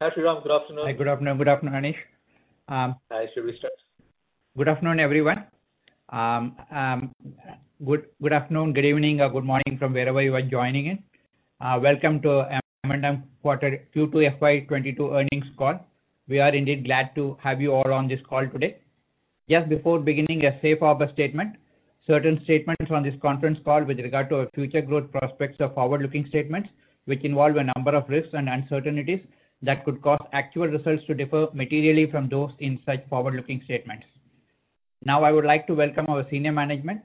Hi, Sriram. Good afternoon. Hi, good afternoon. Good afternoon, Anish. Hi, Sriram. Good afternoon, everyone. Good afternoon, good evening or good morning from wherever you are joining in. Welcome to M&M Q2 FY 2022 earnings call. We are indeed glad to have you all on this call today. Just before beginning, a safe harbor statement. Certain statements on this conference call with regard to our future growth prospects are forward-looking statements, which involve a number of risks and uncertainties that could cause actual results to differ materially from those in such forward-looking statements. Now I would like to welcome our senior management.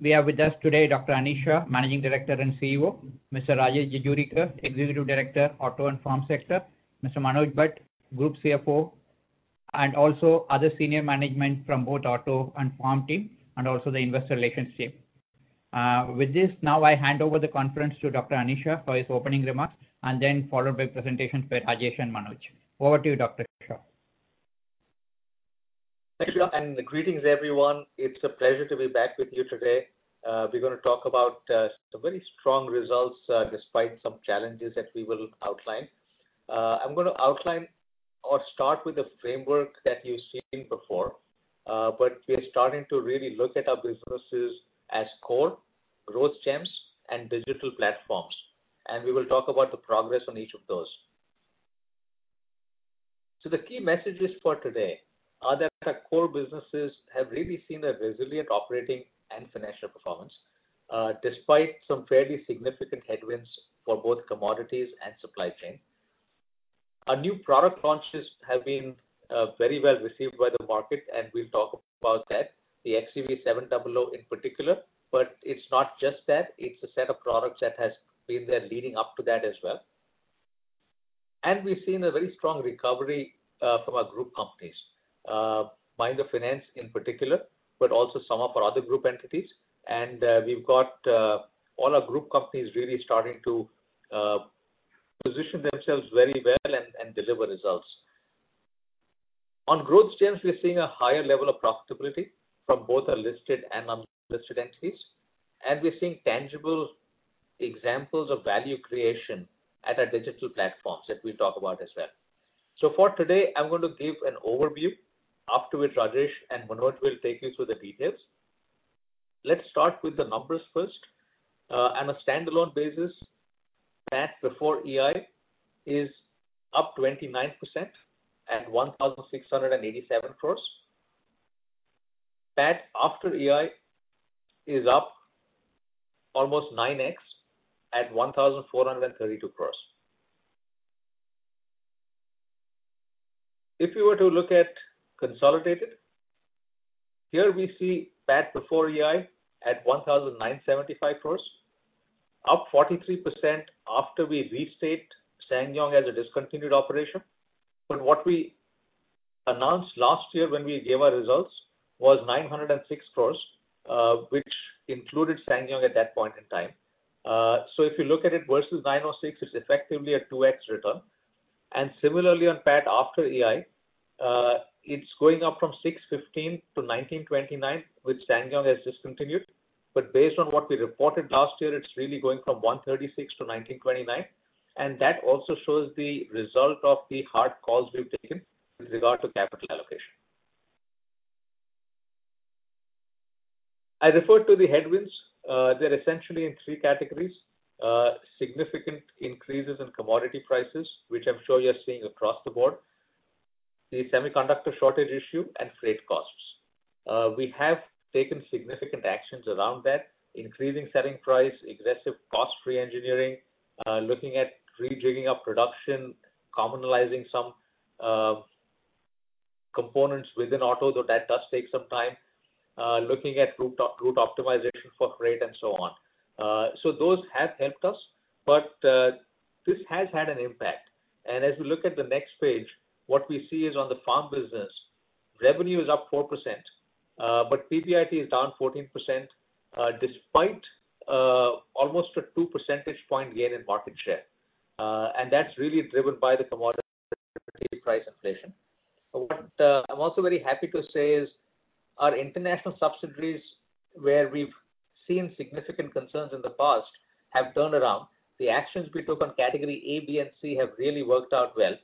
We have with us today Dr. Anish Shah, Managing Director and CEO. Mr. Rajesh Jejurikar, Executive Director, Auto and Farm Sector. Mr. Manoj Bhat, Group CFO, and also other senior management from both Auto and Farm team, and also the Investor Relations. With this, now I hand over the conference to Dr. Anish Shah for his opening remarks, and then followed by presentations by Rajesh and Manoj. Over to you, Dr. Shah. Thanks, Sriram, and greetings, everyone. It's a pleasure to be back with you today. We're gonna talk about some very strong results despite some challenges that we will outline. I'm gonna outline or start with the framework that you've seen before, but we are starting to really look at our businesses as core growth gems and digital platforms. We will talk about the progress on each of those. The key messages for today are that our core businesses have really seen a resilient operating and financial performance despite some fairly significant headwinds for both commodities and supply chain. Our new product launches have been very well received by the market, and we'll talk about that, the XUV700 in particular, but it's not just that, it's a set of products that has been there leading up to that as well. We've seen a very strong recovery from our group companies, Mahindra Finance in particular, but also some of our other group entities. We've got all our group companies really starting to position themselves very well and deliver results. On growth gems, we're seeing a higher level of profitability from both our listed and unlisted entities, and we're seeing tangible examples of value creation at our digital platforms that we'll talk about as well. For today, I'm going to give an overview, after which Rajesh and Manoj will take you through the details. Let's start with the numbers first. On a standalone basis, PAT before EI is up 29% at 1,687 crores. PAT after EI is up almost 9x at INR 1,432 crores. If you were to look at consolidated, here we see PAT before EI at 1,975 crores, up 43% after we restate SsangYong as a discontinued operation. What we announced last year when we gave our results was 906 crores, which included SsangYong at that point in time. If you look at it versus 906, it's effectively a 2x return. Similarly on PAT after EI, it's going up from 615 crores to 1,929 crores, which SsangYong has discontinued. Based on what we reported last year, it's really going from 136 crores to 1,929 crores. That also shows the result of the hard calls we've taken with regard to capital allocation. I referred to the headwinds. They're essentially in three categories. Significant increases in commodity prices, which I'm sure you're seeing across the board, the semiconductor shortage issue and freight costs. We have taken significant actions around that, increasing selling price, aggressive cost reengineering, looking at rejigging our production, commonalizing some components within Auto, though that does take some time, looking at route optimization for freight and so on. Those have helped us, but this has had an impact. As we look at the next page, what we see is on the Farm business, revenue is up 4%, but PBIT is down 14%, despite almost a 2 percentage point gain in market share. That's really driven by the commodity price inflation. What I'm also very happy to say is our international subsidiaries, where we've seen significant concerns in the past, have turned around. The actions we took on category A, B and C have really worked out well.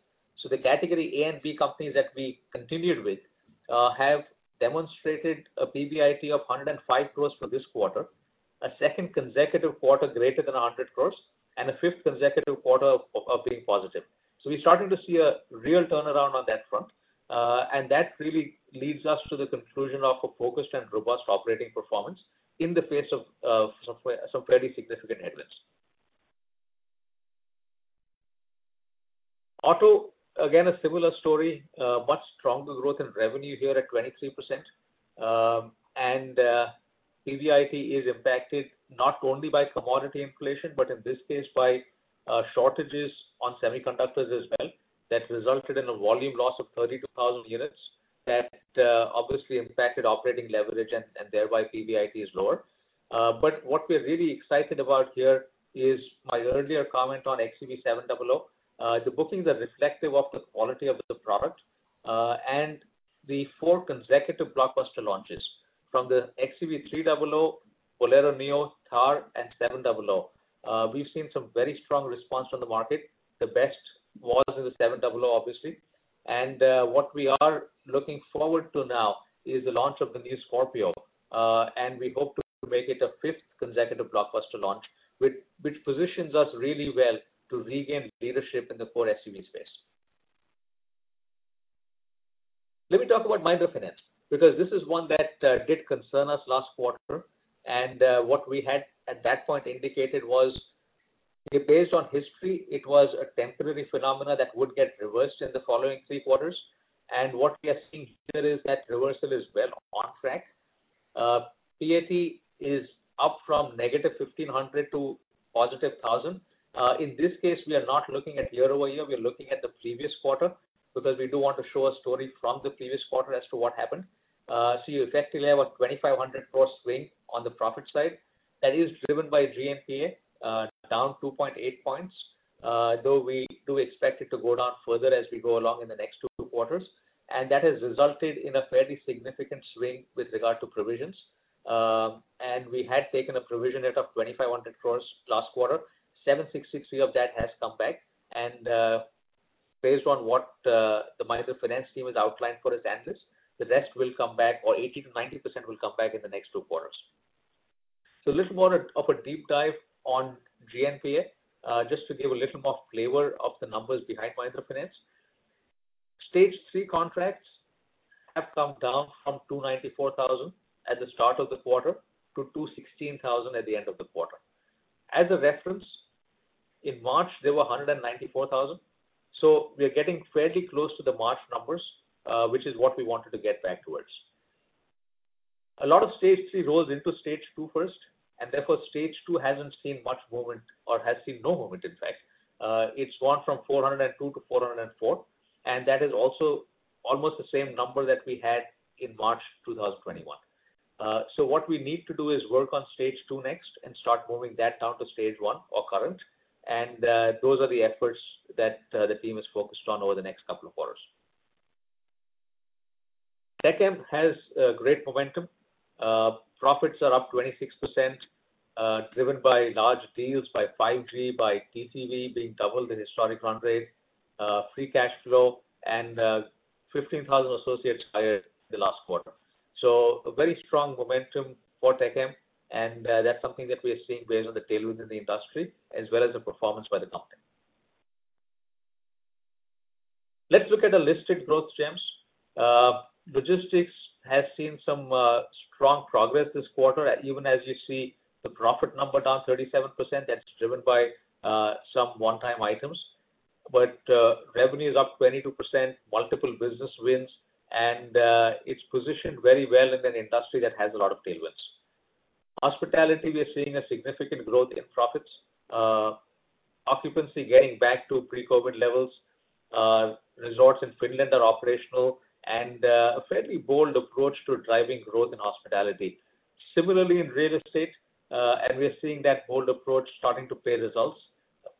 The category A and B companies that we continued with have demonstrated a PBIT of 105 crores for this quarter, a second consecutive quarter greater than 100 crores, and a fifth consecutive quarter of being positive. We're starting to see a real turnaround on that front. That really leads us to the conclusion of a focused and robust operating performance in the face of some fairly significant headwinds. Auto, again, a similar story, much stronger growth in revenue here at 23%. PBIT is impacted not only by commodity inflation, but in this case by shortages on semiconductors as well, that resulted in a volume loss of 32,000 units that obviously impacted operating leverage and thereby PBIT is lower. But what we're really excited about here is my earlier comment on XUV700. The bookings are reflective of the quality of the product, and the four consecutive blockbuster launches. From the XUV300, Bolero Neo, Thar and 700, we've seen some very strong response from the market. The best was in the 700, obviously. What we are looking forward to now is the launch of the new Scorpio. We hope to make it a fifth consecutive blockbuster launch, which positions us really well to regain leadership in the core SUV space. Let me talk about Mahindra Finance, because this is one that did concern us last quarter. What we had at that point indicated was based on history, it was a temporary phenomenon that would get reversed in the following three quarters. What we are seeing here is that reversal is well on track. PAT is up from -1,500 to 1,000. In this case, we are not looking at year-over-year. We are looking at the previous quarter because we do want to show a story from the previous quarter as to what happened. You effectively have an 2,500 cross swing on the profit side that is driven by GNPA, down 2.8 points, though we do expect it to go down further as we go along in the next two quarters. That has resulted in a fairly significant swing with regard to provisions. We had taken a provision hit of 2,500 crore last quarter. 766.3 crore of that has come back. Based on what the Mahindra Finance team has outlined for us analysts, the rest will come back, or 80%-90% will come back in the next two quarters. A little more of a deep dive on GNPA, just to give a little more flavor of the numbers behind Mahindra Finance. Stage three contracts have come down from 294,000 at the start of the quarter to 216,000 at the end of the quarter. As a reference, in March, there were 194,000. We are getting fairly close to the March numbers, which is what we wanted to get back towards. A lot of stage three rolls into stage two first, and therefore stage two hasn't seen much movement or has seen no movement in fact. It's gone from 402 to 404, and that is also almost the same number that we had in March 2021. What we need to do is work on stage two next and start moving that down to stage one or current. Those are the efforts that the team is focused on over the next couple of quarters. TechM has great momentum. Profits are up 26%, driven by large deals by 5G, by TCV being double the historic run rate, free cash flow, and 15,000 associates hired in the last quarter. A very strong momentum for TechM, and that's something that we are seeing based on the tailwinds in the industry as well as the performance by the company. Let's look at the listed growth gems. Logistics has seen some strong progress this quarter, even as you see the profit number down 37%. That's driven by some one-time items. Revenue is up 22%, multiple business wins, and it's positioned very well in an industry that has a lot of tailwinds. Hospitality, we are seeing a significant growth in profits. Occupancy getting back to pre-COVID levels. Resorts in Finland are operational and a fairly bold approach to driving growth in hospitality. Similarly, in real estate, and we are seeing that bold approach starting to pay results.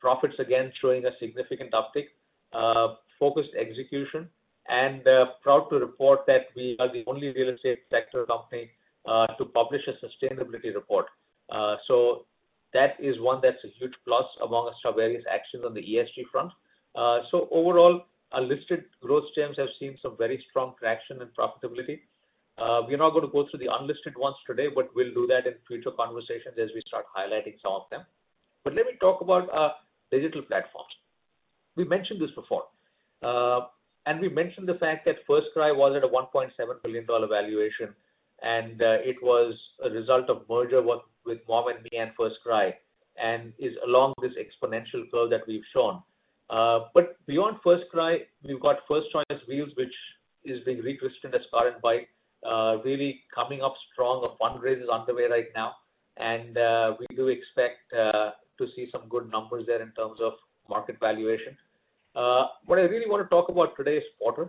Profits, again, showing a significant uptick. Focused execution and proud to report that we are the only real estate sector company to publish a sustainability report. That is one that's a huge plus among our various actions on the ESG front. Overall, our listed growth gems have seen some very strong traction and profitability. We're not gonna go through the unlisted ones today, but we'll do that in future conversations as we start highlighting some of them. Let me talk about our digital platforms. We mentioned this before. We mentioned the fact that FirstCry was at a $1.7 billion valuation, and it was a result of merger with Me N Moms and FirstCry, and is along this exponential curve that we've shown. Beyond FirstCry, we've got First Choice Wheels, which is being re-christened as carandbike, really coming up strong. A fundraise is underway right now, and we do expect to see some good numbers there in terms of market valuation. What I really wanna talk about today is Porter.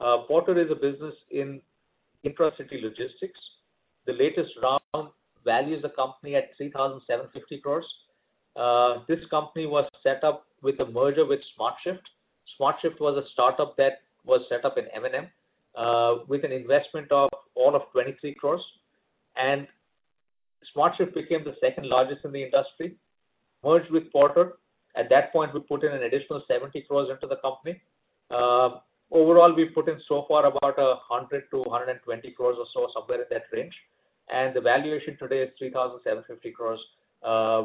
Porter is a business in intra-city logistics. The latest round values the company at 3,750 crores. This company was set up with a merger with SmartShift. SmartShift was a startup that was set up in M&M, with an investment of all of 23 crores. SmartShift became the second-largest in the industry, merged with Porter. At that point, we put in an additional 70 crore into the company. Overall, we've put in so far about 100 crore-120 crore or so, somewhere in that range. The valuation today is 3,750 crore,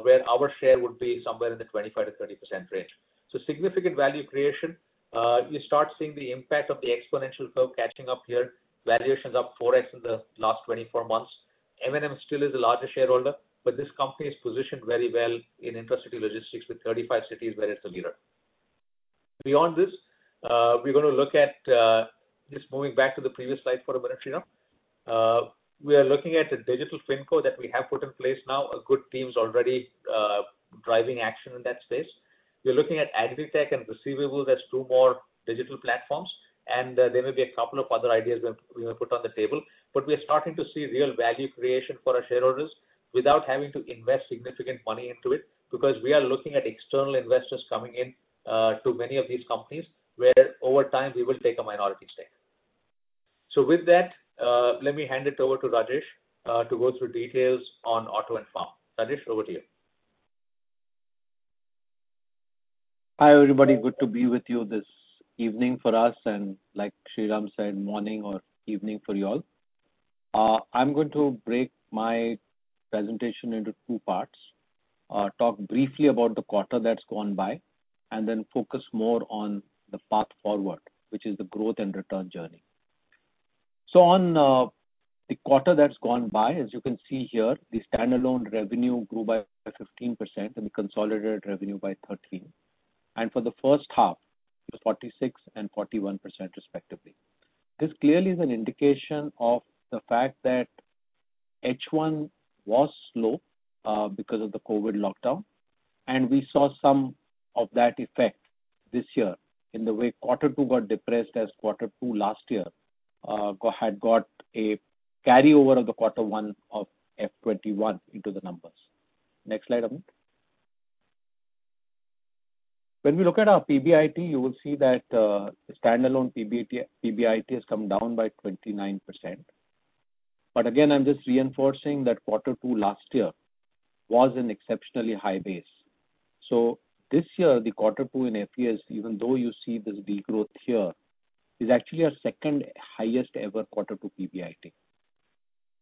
where our share would be somewhere in the 25%-30% range. Significant value creation. You start seeing the impact of the exponential curve catching up here. Valuation's up 4x in the last 24 months. M&M still is the largest shareholder, but this company is positioned very well in intra-city logistics with 35 cities where it's a leader. Beyond this, we're gonna look at just moving back to the previous slide for a minute, Sriram. We are looking at a digital FinCo that we have put in place now. A good team's already driving action in that space. We're looking at AgriTech and receivables as two more digital platforms, and there may be a couple of other ideas we're gonna put on the table. We are starting to see real value creation for our shareholders. Without having to invest significant money into it, because we are looking at external investors coming in to many of these companies, where over time, we will take a minority stake. With that, let me hand it over to Rajesh to go through details on auto and farm. Rajesh, over to you. Hi, everybody. Good to be with you this evening for us, and like Sriram said, morning or evening for you all. I'm going to break my presentation into two parts. Talk briefly about the quarter that's gone by, and then focus more on the path forward, which is the growth and return journey. On the quarter that's gone by, as you can see here, the standalone revenue grew by 15% and the consolidated revenue by 13%. For the first half, it was 46% and 41% respectively. This clearly is an indication of the fact that H1 was slow because of the COVID lockdown, and we saw some of that effect this year in the way Q2 got depressed as Q2 last year had got a carryover of the Q1 of FY 2021 into the numbers. Next slide, Amyn. When we look at our PBIT, you will see that the standalone PBIT has come down by 29%. Again, I'm just reinforcing that quarter two last year was an exceptionally high base. This year, the quarter two in FES, even though you see this degrowth here, is actually our second-highest-ever quarter two PBIT.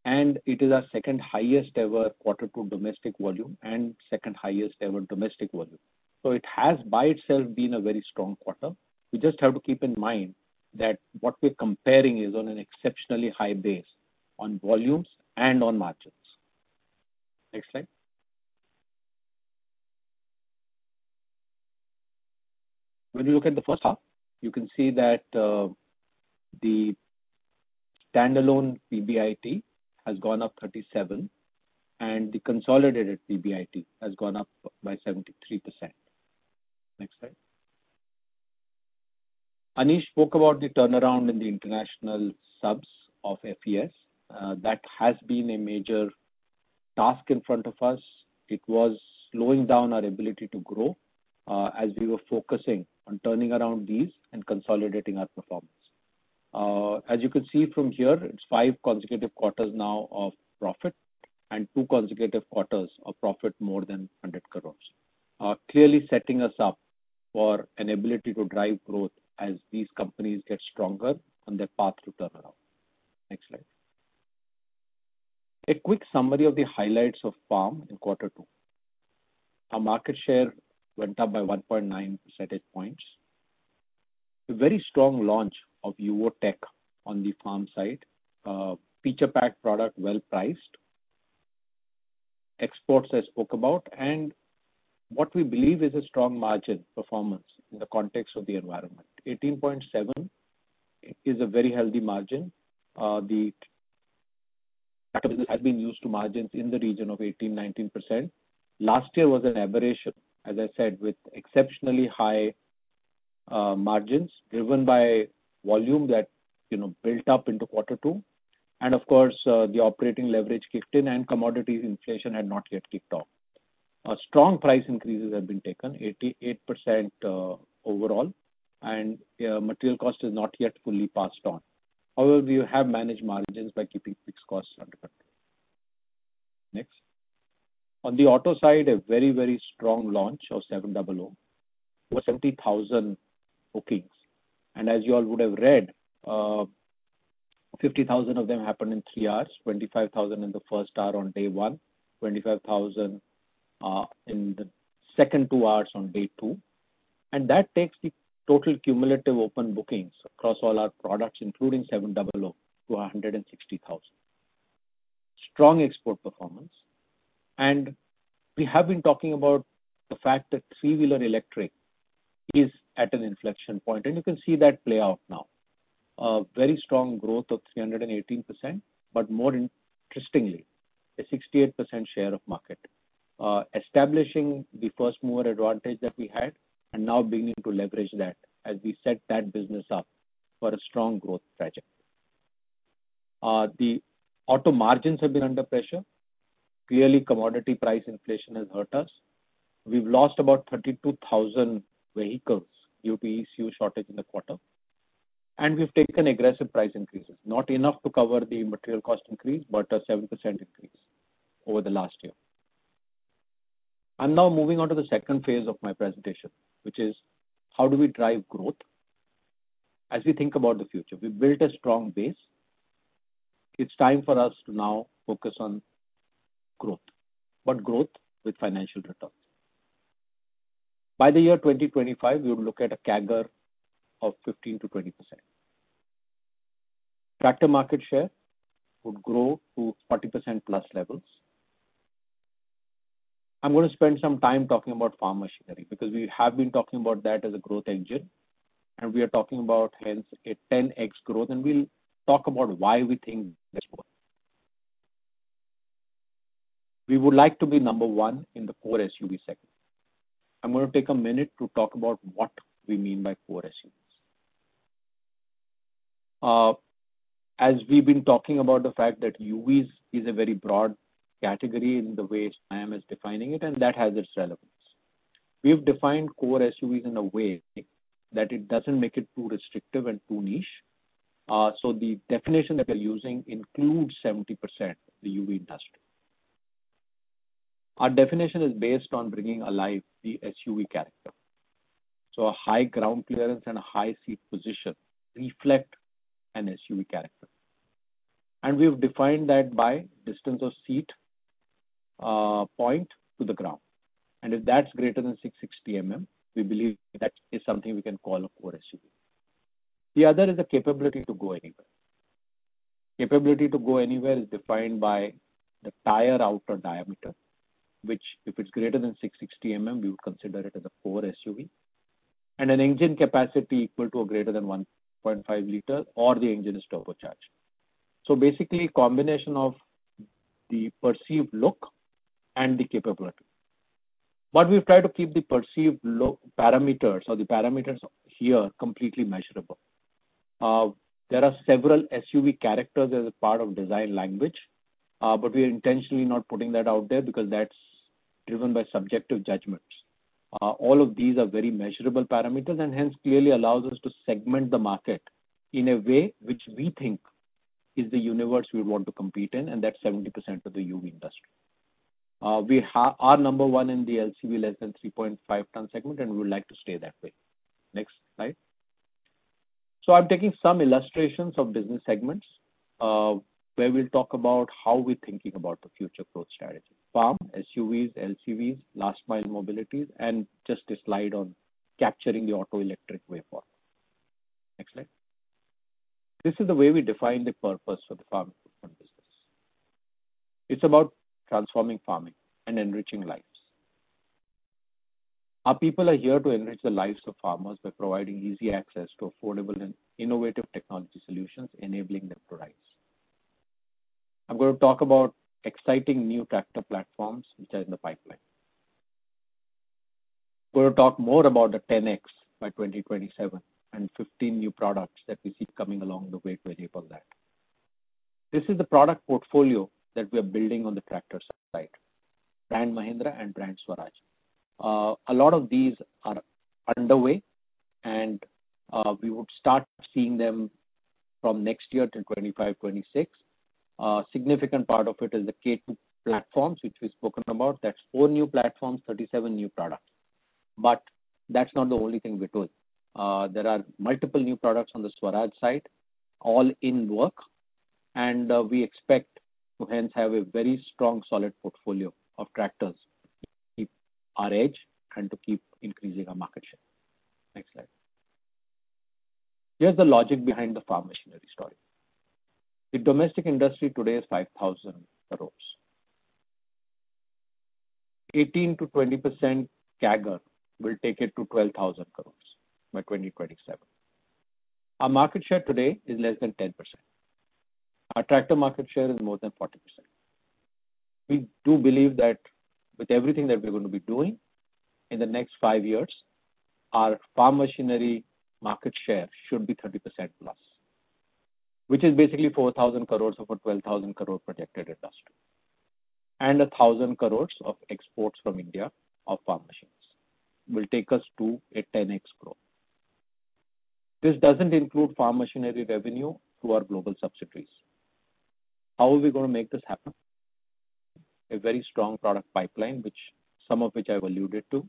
It is our second-highest-ever quarter two domestic volume. It has by itself been a very strong quarter. We just have to keep in mind that what we're comparing is on an exceptionally high base on volumes and on margins. Next slide. When you look at the first half, you can see that the standalone PBIT has gone up 37%, and the consolidated PBIT has gone up by 73%. Next slide. Anish spoke about the turnaround in the international subs of FES. That has been a major task in front of us. It was slowing down our ability to grow, as we were focusing on turning around these and consolidating our performance. As you can see from here, it's five consecutive quarters now of profit and two consecutive quarters of profit more than 100 crores, clearly setting us up for an ability to drive growth as these companies get stronger on their path to turnaround. Next slide. A quick summary of the highlights of farm in quarter two. Our market share went up by 1.9 percentage points. A very strong launch of Yuvo Tech on the farm side. Feature packed product, well-priced. Exports, I spoke about, and what we believe is a strong margin performance in the context of the environment. 18.7 is a very healthy margin. They have been used to margins in the region of 18%-19%. Last year was an aberration, as I said, with exceptionally high margins driven by volume that, you know, built up into quarter two. Of course, the operating leverage kicked in and commodities inflation had not yet kicked off. Strong price increases have been taken, 88% overall, and material cost is not yet fully passed on. However, we have managed margins by keeping fixed costs under control. Next. On the auto side, a very, very strong launch of XUV700, over 70,000 bookings. As you all would have read, 50,000 of them happened in three hours, 25,000 in the first hour on day one, 25,000 in the second two hours on day two. That takes the total cumulative open bookings across all our products, including XUV700, to 160,000. Strong export performance. We have been talking about the fact that three-wheeler electric is at an inflection point, and you can see that play out now. Very strong growth of 318%, but more interestingly, a 68% share of market, establishing the first mover advantage that we had and now beginning to leverage that as we set that business up for a strong growth trajectory. The auto margins have been under pressure. Clearly, commodity price inflation has hurt us. We've lost about 32,000 vehicles due to ECU shortage in the quarter. We've taken aggressive price increases, not enough to cover the material cost increase, but a 7% increase over the last year. I'm now moving on to the second phase of my presentation, which is how do we drive growth as we think about the future. We've built a strong base. It's time for us to now focus on growth, but growth with financial returns. By the year 2025, we would look at a CAGR of 15%-20%. Tractor market share would grow to 40%+ levels. I'm gonna spend some time talking about farm machinery because we have been talking about that as a growth engine, and we are talking about hence a 10x growth, and we'll talk about why we think that's possible. We would like to be number one in the four SUV segment. I'm gonna take a minute to talk about what we mean by core SUV. As we've been talking about the fact that UVs is a very broad category in the way SIAM is defining it, and that has its relevance. We've defined core SUVs in a way that it doesn't make it too restrictive and too niche. So, the definition that we are using includes 70% of the UV industry. Our definition is based on bringing alive the SUV character, so a high ground clearance and a high seat position reflect an SUV character. We've defined that by distance of seat point to the ground. If that's greater than 660 mm, we believe that is something we can call a core SUV. The other is the capability to go anywhere. Capability to go anywhere is defined by the tire outer diameter, which if it's greater than 660 mm, we would consider it as a core SUV, and an engine capacity equal to or greater than 1.5 liter, or the engine is turbocharged. Basically, combination of the perceived look and the capability. We've tried to keep the perceived parameters or the parameters here completely measurable. There are several SUV characters as a part of design language, but we are intentionally not putting that out there because that's driven by subjective judgments. All of these are very measurable parameters and hence clearly allows us to segment the market in a way which we think is the universe we want to compete in, and that's 70% of the UV industry. We are number one in the LCV less than 3.5-ton segment, and we would like to stay that way. Next slide. I'm taking some illustrations of business segments, where we'll talk about how we're thinking about the future growth strategy. Farm, SUVs, LCVs, Last Mile Mobilities, and just a slide on capturing the auto electric wave form. Next slide. This is the way we define the purpose for the farm equipment business. It's about transforming farming and enriching lives. Our people are here to enrich the lives of farmers by providing easy access to affordable and innovative technology solutions, enabling them to rise. I'm gonna talk about exciting new tractor platforms which are in the pipeline. We'll talk more about the 10X by 2027 and 15 new products that we see coming along the way to enable that. This is the product portfolio that we are building on the tractor side, brand Mahindra and brand Swaraj. A lot of these are underway and we would start seeing them from next year till 25, 26. A significant part of it is the K-two platforms which we've spoken about. That's four new platforms, 37 new products. That's not the only thing we're doing. There are multiple new products on the Swaraj side, all in work, and we expect to hence have a very strong, solid portfolio of tractors to keep our edge and to keep increasing our market share. Next slide. Here's the logic behind the farm machinery story. The domestic industry today is 5,000 crores. 18%-20% CAGR will take it to 12,000 crores by 2027. Our market share today is less than 10%. Our tractor market share is more than 40%. We do believe that with everything that we're gonna be doing in the next five years, our farm machinery market share should be 30%+, which is basically 4,000 crores of a 12,000 crores projected industry. 1,000 crores of exports from India of farm machines will take us to a 10x growth. This doesn't include farm machinery revenue to our global subsidiaries. How are we gonna make this happen? A very strong product pipeline, which, some of which I've alluded to.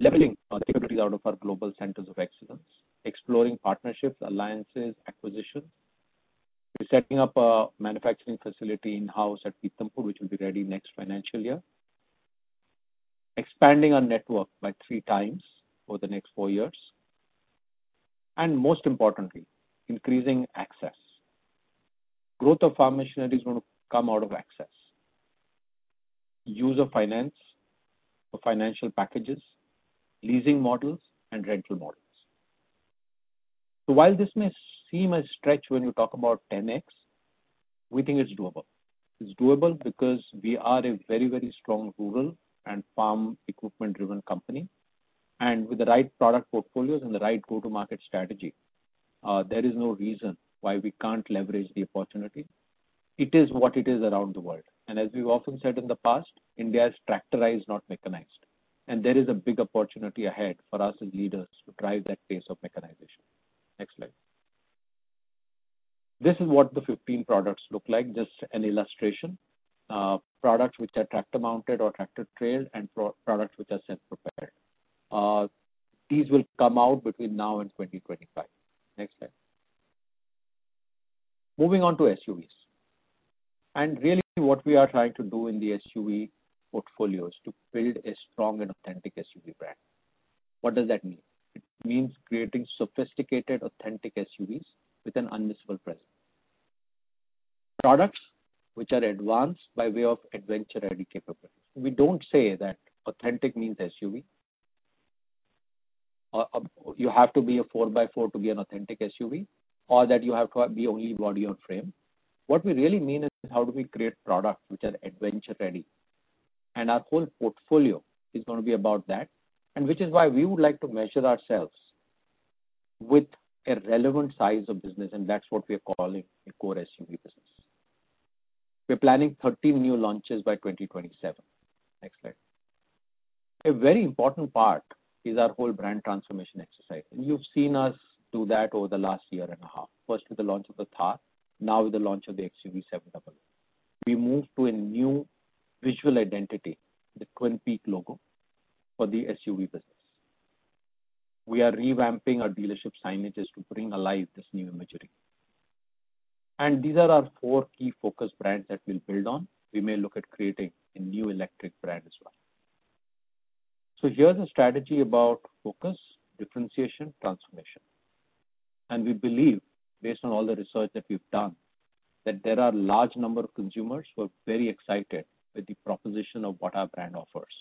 Leveling our capabilities out of our global centers of excellence. Exploring partnerships, alliances, acquisitions. We're setting up a manufacturing facility in-house at Pithampur, which will be ready next financial year. Expanding our network by 3x over the next four years. Most importantly, increasing access. Growth of farm machinery is gonna come out of access to use of finance or financial packages, leasing models and rental models. While this may seem a stretch when you talk about 10x, we think it's doable. It's doable because we are a very, very strong rural and farm equipment-driven company, and with the right product portfolios and the right go-to-market strategy, there is no reason why we can't leverage the opportunity. It is what it is around the world. As we've often said in the past, India is tractorized, not mechanized, and there is a big opportunity ahead for us as leaders to drive that pace of mechanization. Next slide. This is what the 15 products look like, just an illustration, products which are tractor mounted or tractor trailed, and products which are self-propelled. These will come out between now and 2025. Next slide. Moving on to SUVs. Really what we are trying to do in the SUV portfolio is to build a strong and authentic SUV brand. What does that mean? It means creating sophisticated, authentic SUVs with an unmissable presence. Products which are advanced by way of adventure-ready capabilities. We don't say that authentic means SUV. You have to be a four by four to be an authentic SUV, or that you have to have the only body on frame. What we really mean is how do we create products which are adventure ready? Our whole portfolio is gonna be about that, and which is why we would like to measure ourselves with a relevant size of business, and that's what we are calling a core SUV business. We're planning 13 new launches by 2027. Next slide. A very important part is our whole brand transformation exercise. You've seen us do that over the last year and a half. First with the launch of the Thar, now with the launch of the XUV700. We moved to a new visual identity, the twin peak logo for the SUV business. We are revamping our dealership signages to bring alive this new imagery. These are our four key focus brands that we'll build on. We may look at creating a new electric brand as well. Here's a strategy about focus, differentiation, transformation. We believe based on all the research that we've done, that there are large number of consumers who are very excited with the proposition of what our brand offers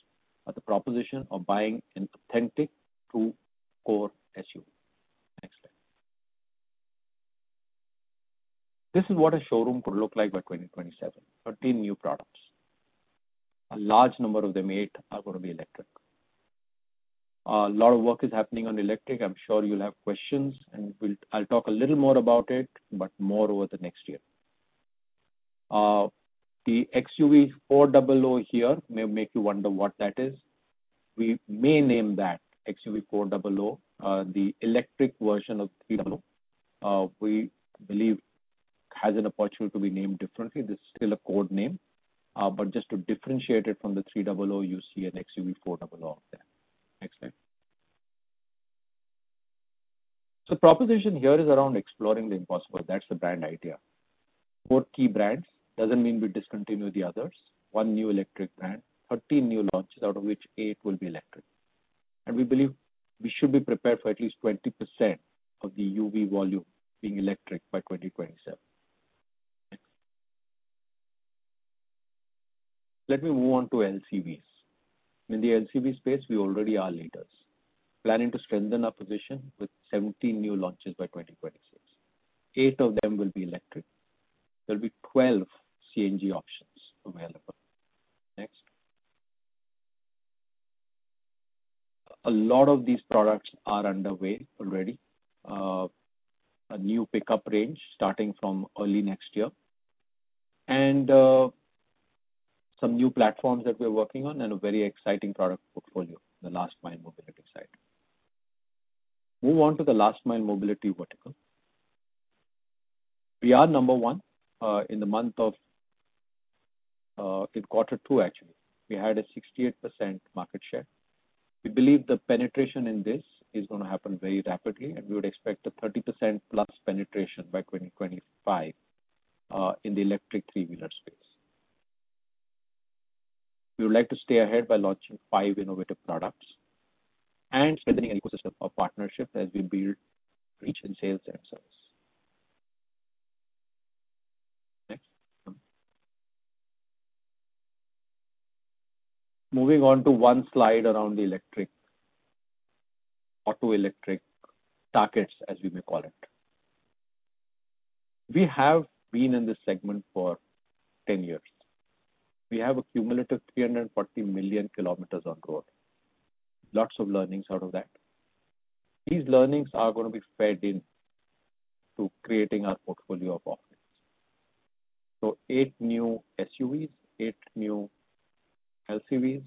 or the proposition of buying an authentic true core SUV. Next slide. This is what a showroom could look like by 2027, 13 new products. A large number of them, eight, are gonna be electric. A lot of work is happening on electric. I'm sure you'll have questions, and I'll talk a little more about it, but more over the next year. The XUV400 here may make you wonder what that is. We may name that XUV400, the electric version of XUV300, we believe has an opportunity to be named differently. This is still a code name, but just to differentiate it from the XUV300, you see an XUV400 out there. Next slide. Proposition here is around exploring the impossible. That's the brand idea. Four key brands doesn't mean we discontinue the others. One new electric brand, 13 new launches, out of which eight will be electric. We believe we should be prepared for at least 20% of the UV volume being electric by 2027. Next. Let me move on to LCVs. In the LCV space, we already are leaders. Planning to strengthen our position with 17 new launches by 2026. Eight of them will be electric. There'll be 12 CNG options available. Next. A lot of these products are underway already. A new pickup range starting from early next year, and, some new platforms that we're working on and a very exciting product portfolio in the last mile mobility side. Move on to the last mile mobility vertical. We are number one in quarter two, actually. We had a 68% market share. We believe the penetration in this is gonna happen very rapidly, and we would expect a 30%+ penetration by 2025 in the electric three-wheeler space. We would like to stay ahead by launching five innovative products and strengthening ecosystem of partnership as we build reach and sales and service. Next. Moving on to one slide around the electric auto electric targets as we may call it. We have been in this segment for 10 years. We have a cumulative 340 million kilometers on road. Lots of learnings out of that. These learnings are gonna be fed in to creating our portfolio of offerings. Eight new SUVs, eight new LCVs,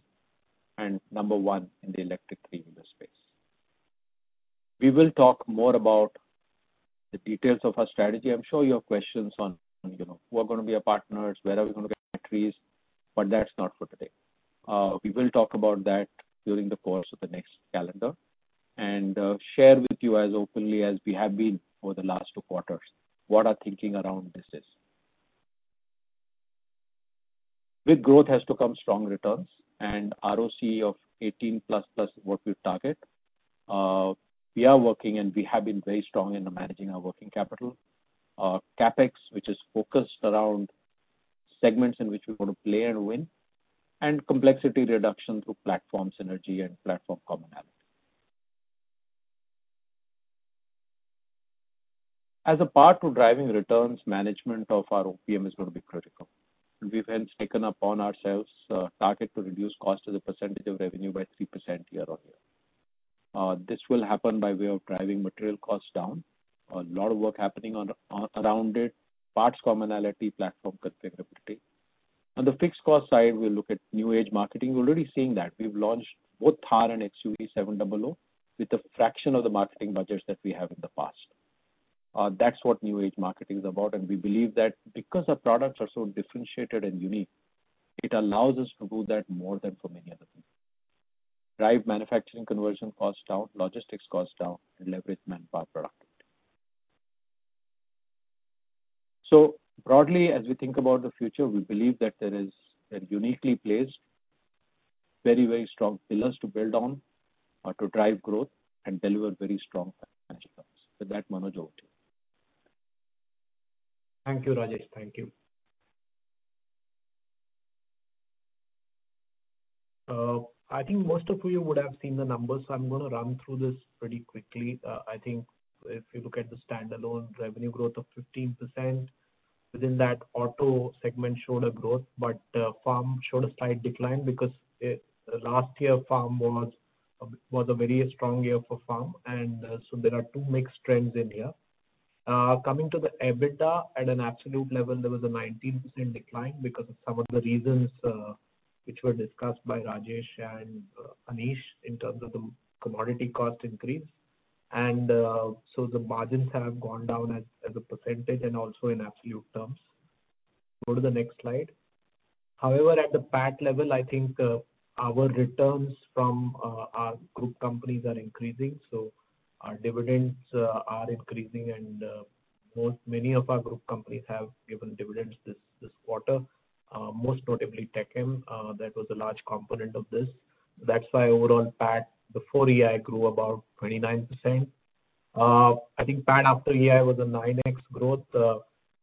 and number one in the electric three-wheeler space. We will talk more about the details of our strategy. I'm sure you have questions on you know, who are gonna be our partners? Where are we gonna get batteries? That's not for today. We will talk about that during the course of the next calendar, and share with you as openly as we have been over the last two quarters what our thinking around this is. With growth has to come strong returns and ROC of 18%+ is what we target. We are working, and we have been very strong in managing our working capital. Our CapEx, which is focused around segments in which we wanna play and win, and complexity reduction through platform synergy and platform commonality. As a part to driving returns, management of our OPM is gonna be critical. We've hence taken upon ourselves a target to reduce cost as a percentage of revenue by 3% year-on-year. This will happen by way of driving material costs down. A lot of work happening on around it. Parts commonality, platform configurability. On the fixed cost side, we'll look at new age marketing. We're already seeing that. We've launched both Thar and XUV700 with a fraction of the marketing budgets that we have in the past. That's what new age marketing is about, and we believe that because our products are so differentiated and unique, it allows us to do that more than for many other things. Drive manufacturing conversion cost down, logistics cost down, and leverage manpower productivity. Broadly, as we think about the future, we believe that there is a uniquely placed very, very strong pillars to build on to drive growth and deliver very strong financial growth. With that, Manoj Bhat over to you. Thank you, Rajesh. Thank you. I think most of you would have seen the numbers. I'm gonna run through this pretty quickly. I think if you look at the standalone revenue growth of 15% within that auto segment showed a growth, but farm showed a slight decline because it, last year farm was a very strong year for farm and so there are two mixed trends in here. Coming to the EBITDA at an absolute level, there was a 19% decline because of some of the reasons which were discussed by Rajesh and Anish in terms of the commodity cost increase. The margins have gone down as a percentage and also in absolute terms. Go to the next slide. However, at the PAT level, I think our returns from our group companies are increasing, so our dividends are increasing and many of our group companies have given dividends this quarter, most notably Tech Mahindra, that was a large component of this. That's why overall PAT before EI grew about 29%. I think PAT after EI was a 9x growth.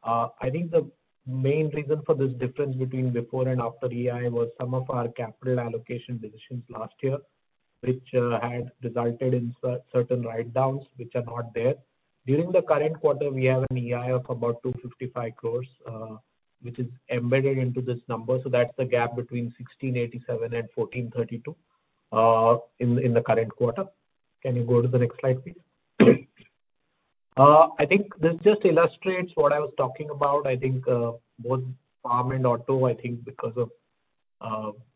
I think the main reason for this difference between before and after EI was some of our capital allocation decisions last year, which had resulted in certain write-downs which are not there. During the current quarter, we have an EI of about 255 crores, which is embedded into this number. So that's the gap between 1,687 crores and 1,432 crores in the current quarter. Can you go to the next slide, please? I think this just illustrates what I was talking about. I think both farm and auto, I think because of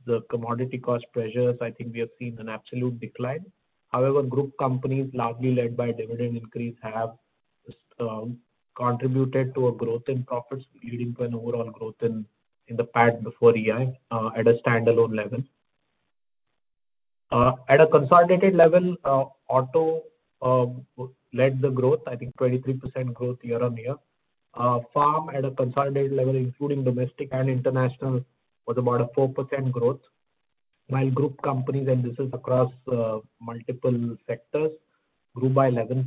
the commodity cost pressures, I think we have seen an absolute decline. However, group companies largely led by dividend increase have contributed to a growth in profits leading to an overall growth in the PAT before EI at a standalone level. At a consolidated level, auto led the growth, I think 23% growth year-on-year. Farm at a consolidated level including domestic and international was about a 4% growth. While group companies, and this is across multiple sectors, grew by 11%.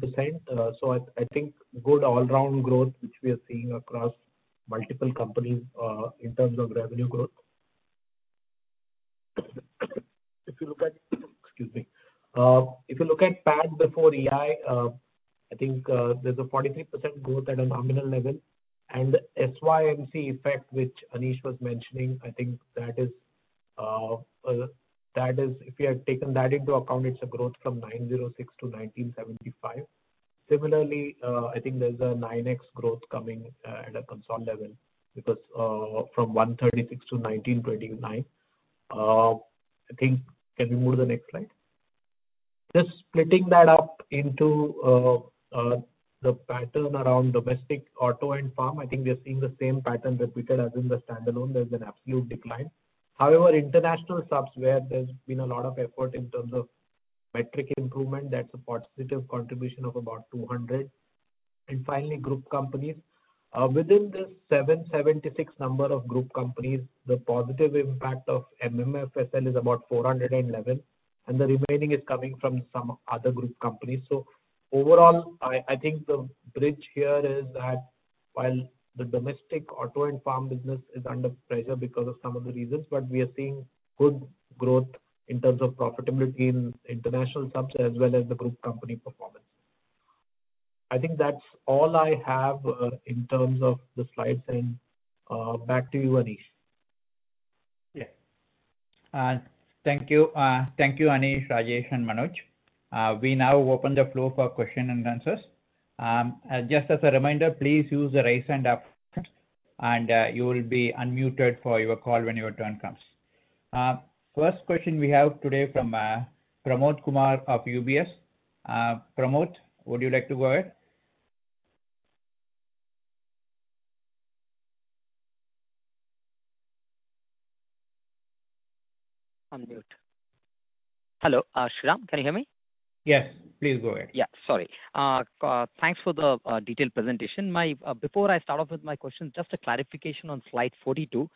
I think good all around growth which we are seeing across multiple companies in terms of revenue growth. If you look at, excuse me. If you look at PAT before EI, I think there's a 43% growth at a nominal level. SYMC effect, which Anish was mentioning, I think that is if you have taken that into account, it's a growth from 906 to 1975. Similarly, I think there's a 9x growth coming at a consolidated level because from 136 to 1929. I think, can we move to the next slide? Just splitting that up into the pattern around domestic auto and farm, I think we are seeing the same pattern that we did as in the standalone. There's an absolute decline. However, international subs where there's been a lot of effort in terms of margin improvement, that's a positive contribution of about 200. Finally, group companies. Within this 776 number of group companies, the positive impact of MMFSL is about 411, and the remaining is coming from some other group companies. Overall, I think the bridge here is that while the domestic auto and farm business is under pressure because of some of the reasons, but we are seeing good growth in terms of profitability in international subs as well as the group company performance. I think that's all I have in terms of the slides. Back to you, Anish. Thank you. Thank you, Anish, Rajesh and Manoj. We now open the floor for question and answers. Just as a reminder, please use the Raise Hand up, and you will be unmuted for your call when your turn comes. First question we have today from Pramod Kumar of UBS. Pramod, would you like to go ahead? Hello, Sriram, can you hear me? Yes, please go ahead. Yeah. Sorry. Thanks for the detailed presentation. Before I start off with my question, just a clarification on slide 42,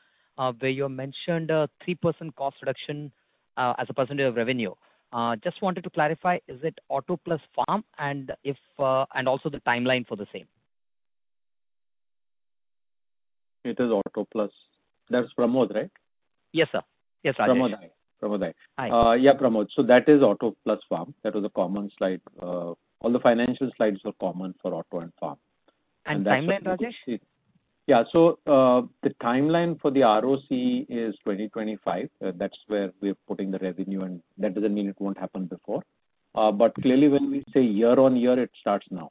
where you mentioned 3% cost reduction as a percentage of revenue. Just wanted to clarify, is it auto plus farm? And also, the timeline for the same. It is auto plus. That's Pramod, right? Yes, sir. Yes, Rajesh. Pramod, hi. Hi. Yeah, Pramod. That is auto plus farm. That was a common slide. All the financial slides were common for auto and farm. Timeline, Rajesh? Yeah. The timeline for the ROC is 2025. That's where we're putting the revenue, and that doesn't mean it won't happen before. Clearly when we say year-on-year, it starts now.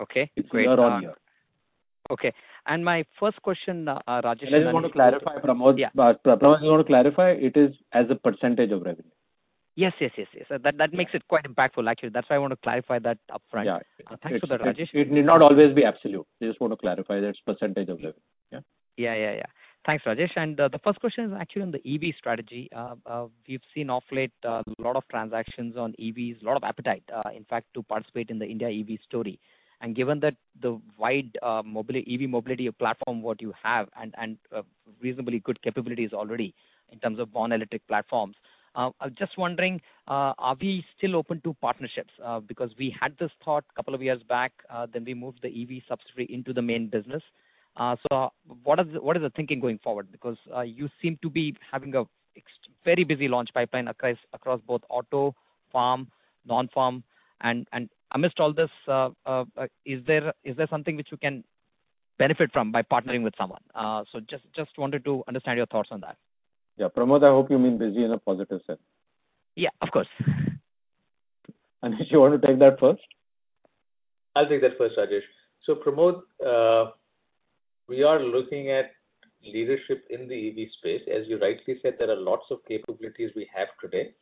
Okay, great. It's year-on-year. Okay. My first question, Rajesh- I just want to clarify, Pramod. Yeah. Pramod, I just want to clarify. It is as a percentage of revenue. Yes. That makes it quite impactful actually. That's why I want to clarify that upfront. Yeah. Thanks for that, Rajesh. It need not always be absolute. I just want to clarify that it's percentage of revenue. Yeah. Yeah. Thanks, Rajesh. The first question is actually on the EV strategy. We've seen of late lot of transactions on EVs, lot of appetite in fact to participate in the India EV story. Given that the wide EV mobility platform what you have reasonably good capabilities already in terms of born electric platforms, I was just wondering are we still open to partnerships? Because we had this thought couple of years back then we moved the EV subsidiary into the main business. What is the thinking going forward? Because you seem to be having an extremely busy launch pipeline across both auto, farm, non-farm. Amidst all this is there something which you can benefit from by partnering with someone? Just wanted to understand your thoughts on that. Yeah. Pramod, I hope you mean busy in a positive sense. Yeah, of course. Anish Shah, you want to take that first? I'll take that first, Rajesh. Pramod, we are looking at leadership in the EV space. As you rightly said, there are lots of capabilities we have today.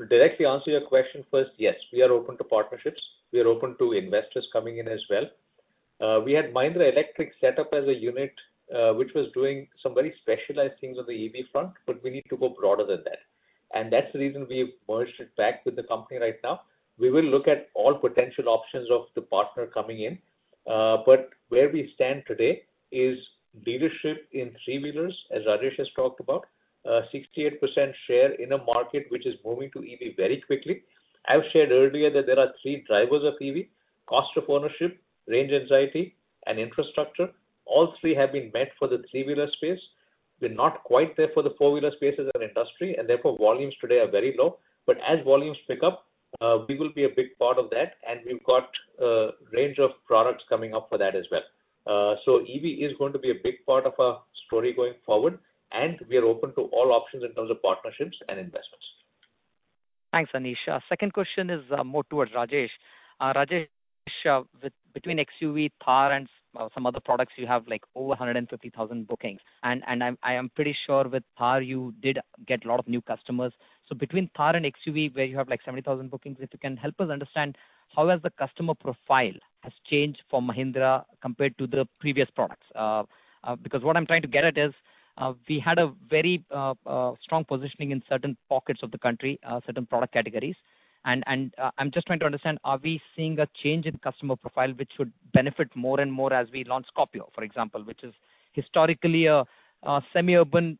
To directly answer your question first, yes, we are open to partnerships. We are open to investors coming in as well. We had Mahindra Electric set up as a unit, which was doing some very specialized things on the EV front, but we need to go broader than that. That's the reason we've merged it back with the company right now. We will look at all potential options of the partner coming in. Where we stand today is leadership in three-wheelers, as Rajesh has talked about, 68% share in a market which is moving to EV very quickly. I've shared earlier that there are three drivers of EV: cost of ownership, range anxiety, and infrastructure. All three have been met for the three-wheeler space. We're not quite there for the four-wheeler space as an industry, and therefore volumes today are very low. As volumes pick up, we will be a big part of that, and we've got a range of products coming up for that as well. EV is going to be a big part of our story going forward, and we are open to all options in terms of partnerships and investments. Thanks, Anish. Second question is, more towards Rajesh. Rajesh, with between XUV, Thar and some other products, you have like over 150,000 bookings. I'm pretty sure with Thar you did get a lot of new customers. Between Thar and XUV, where you have like 70,000 bookings, if you can help us understand how has the customer profile has changed for Mahindra compared to the previous products? Because what I'm trying to get at is, we had a very strong positioning in certain pockets of the country, certain product categories. I'm just trying to understand, are we seeing a change in customer profile which would benefit more and more as we launch Scorpio, for example, which is historically a semi-urban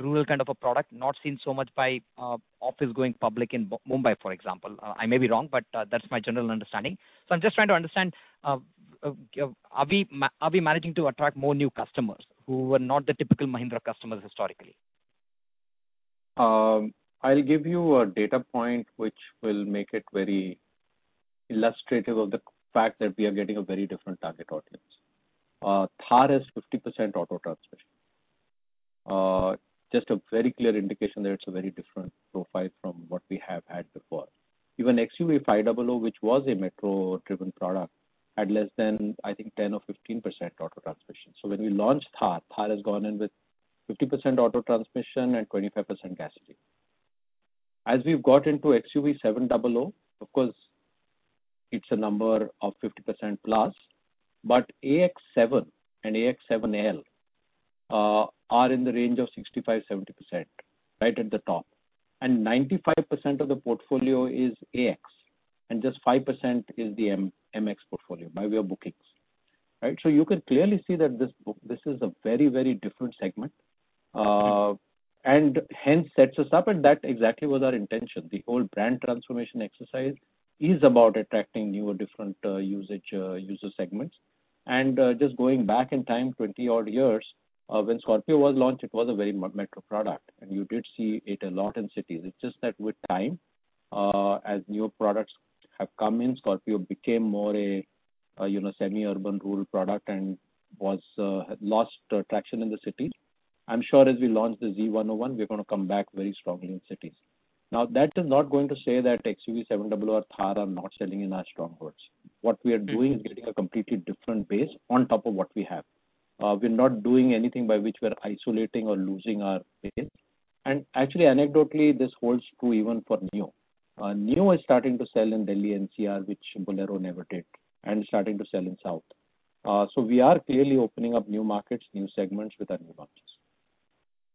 rural kind of a product, not seen so much by office going public in Mumbai, for example. I may be wrong, but that's my general understanding. I'm just trying to understand, are we managing to attract more new customers who are not the typical Mahindra customers historically? I'll give you a data point which will make it very illustrative of the fact that we are getting a very different target audience. Thar is 50% auto transmission. Just a very clear indication that it's a very different profile from what we have had before. Even XUV500, which was a metro-driven product, had less than, I think, 10% or 15% auto transmission. When we launched Thar has gone in with 50% auto transmission and 25% gasoline. As we've got into XUV700, of course, it's a number of 50%+. But AX7 and AX7L are in the range of 65%-70%, right at the top. 95% of the portfolio is AX, and just 5% is the MX portfolio by way of bookings, right? You can clearly see that this book, this is a very, very different segment, and hence sets us up, and that exactly was our intention. The whole brand transformation exercise is about attracting new or different, usage, user segments. Just going back in time 20-odd years, when Scorpio was launched, it was a very metro product, and you did see it a lot in cities. It's just that with time, as newer products have come in, Scorpio became more, you know, semi-urban, rural product and had lost traction in the cities. I'm sure as we launch the Z101, we're gonna come back very strongly in cities. Now, that is not going to say that XUV700 or Thar are not selling in our strongholds. What we are doing is getting a completely different base on top of what we have. We're not doing anything by which we're isolating or losing our base. Actually, anecdotally, this holds true even for Neo. Neo is starting to sell in Delhi NCR, which Bolero never did, and starting to sell in South. We are clearly opening up new markets, new segments with our new launches.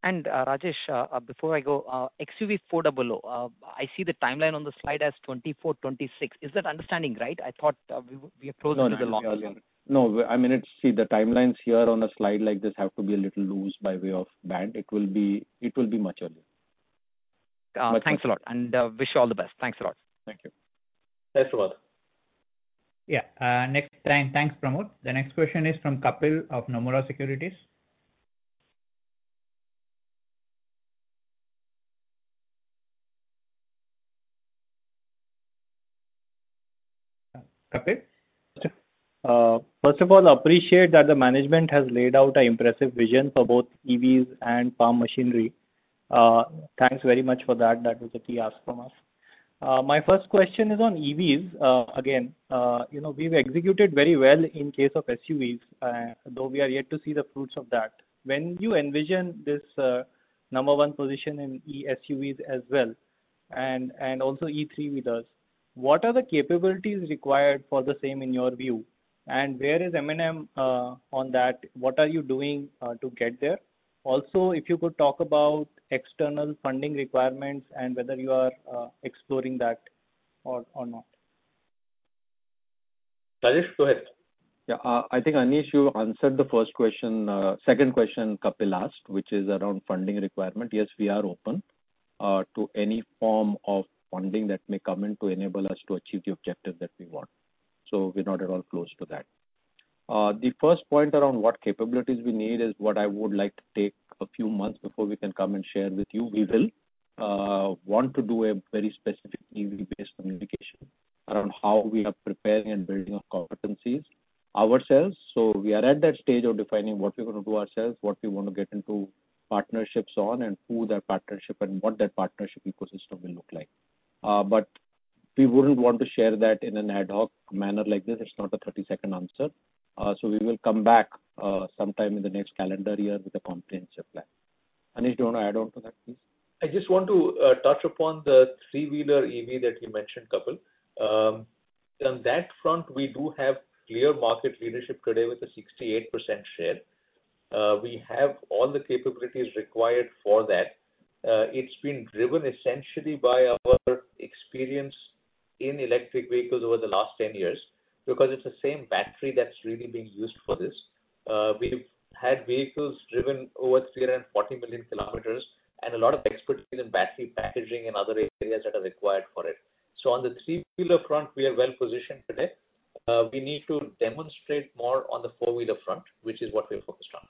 Rajesh Jejurikar, before I go, XUV400, I see the timeline on the slide as 2024, 2026. Is that understanding right? I thought we are closer to the launch. No, I mean, it's. See, the timelines here on a slide like this have to be a little loose by way of band. It will be much earlier. Thanks a lot. Wish you all the best. Thanks a lot. Thank you. Thanks, Pramod. Thanks, Pramod. The next question is from Kapil of Nomura Securities. Kapil? First of all, I appreciate that the management has laid out an impressive vision for both EVs and farm machinery. Thanks very much for that. That was a key ask from us. My first question is on EVs. Again, you know, we've executed very well in case of SUVs, though we are yet to see the fruits of that. When you envision this number one position in E-SUVs as well, and also E three-wheelers, what are the capabilities required for the same in your view? And where is M&M on that? What are you doing to get there? Also, if you could talk about external funding requirements and whether you are exploring that or not. Rajesh, go ahead. Yeah. I think, Anish, you answered the first question, second question Kapil asked, which is around funding requirement. Yes, we are open to any form of funding that may come in to enable us to achieve the objective that we want. We're not at all close to that. The first point around what capabilities we need is what I would like to take a few months before we can come and share with you. We will want to do a very specific EV-based communication around how we are preparing and building up competencies ourselves. We are at that stage of defining what we're gonna do ourselves, what we wanna get into partnerships on, and who that partnership and what that partnership ecosystem will look like. We wouldn't want to share that in an ad hoc manner like this. It's not a 30-second answer. We will come back sometime in the next calendar year with a comprehensive plan. Anish, do you wanna add on to that, please? I just want to touch upon the three-wheeler EV that you mentioned, Kapil. On that front, we do have clear market leadership today with a 68% share. We have all the capabilities required for that. It's been driven essentially by our experience in electric vehicles over the last 10 years, because it's the same battery that's really being used for this. We've had vehicles driven over 340 million kilometers and a lot of expertise in battery packaging and other areas that are required for it. So, on the three-wheeler front, we are well positioned today. We need to demonstrate more on the four-wheeler front, which is what we are focused on.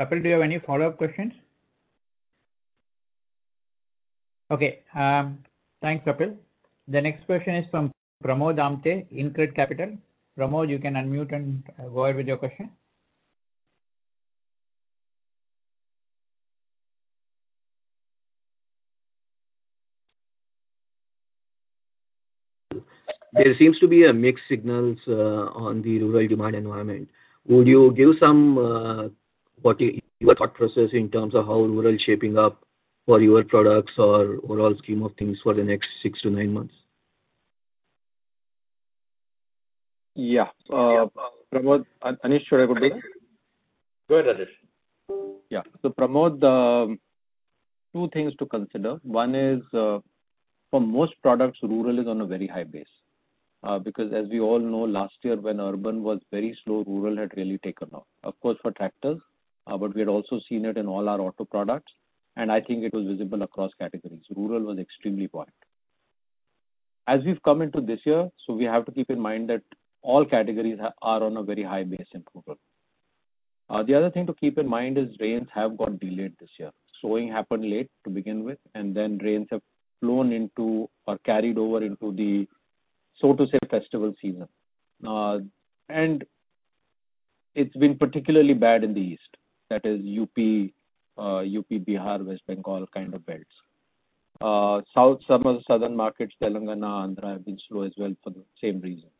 Kapil, do you have any follow-up questions? Okay. Thanks, Kapil. The next question is from Pramod Amthe, InCred Capital. Pramod, you can unmute and go ahead with your question. There seems to be a mixed signals on the rural demand environment. Would you give some what your thought process in terms of how rural is shaping up for your products or overall scheme of things for the next six-nine months? Yeah. Pramod, Anish, should I go ahead? Go ahead, Anish. Yeah. Pramod, two things to consider. One is, for most products, rural is on a very high base. Because as we all know, last year, when urban was very slow, rural had really taken off. Of course, for tractors, but we had also seen it in all our auto products, and I think it was visible across categories. Rural was extremely buoyant. As we've come into this year, we have to keep in mind that all categories are on a very high base in total. The other thing to keep in mind is rains have got delayed this year. Sowing happened late to begin with, and then rains have flowed into or carried over into the, so to say, festival season. It's been particularly bad in the east, that is U.P., Bihar, West Bengal kind of belts. South, some of the southern markets, Telangana, Andhra, have been slow as well for the same reasons.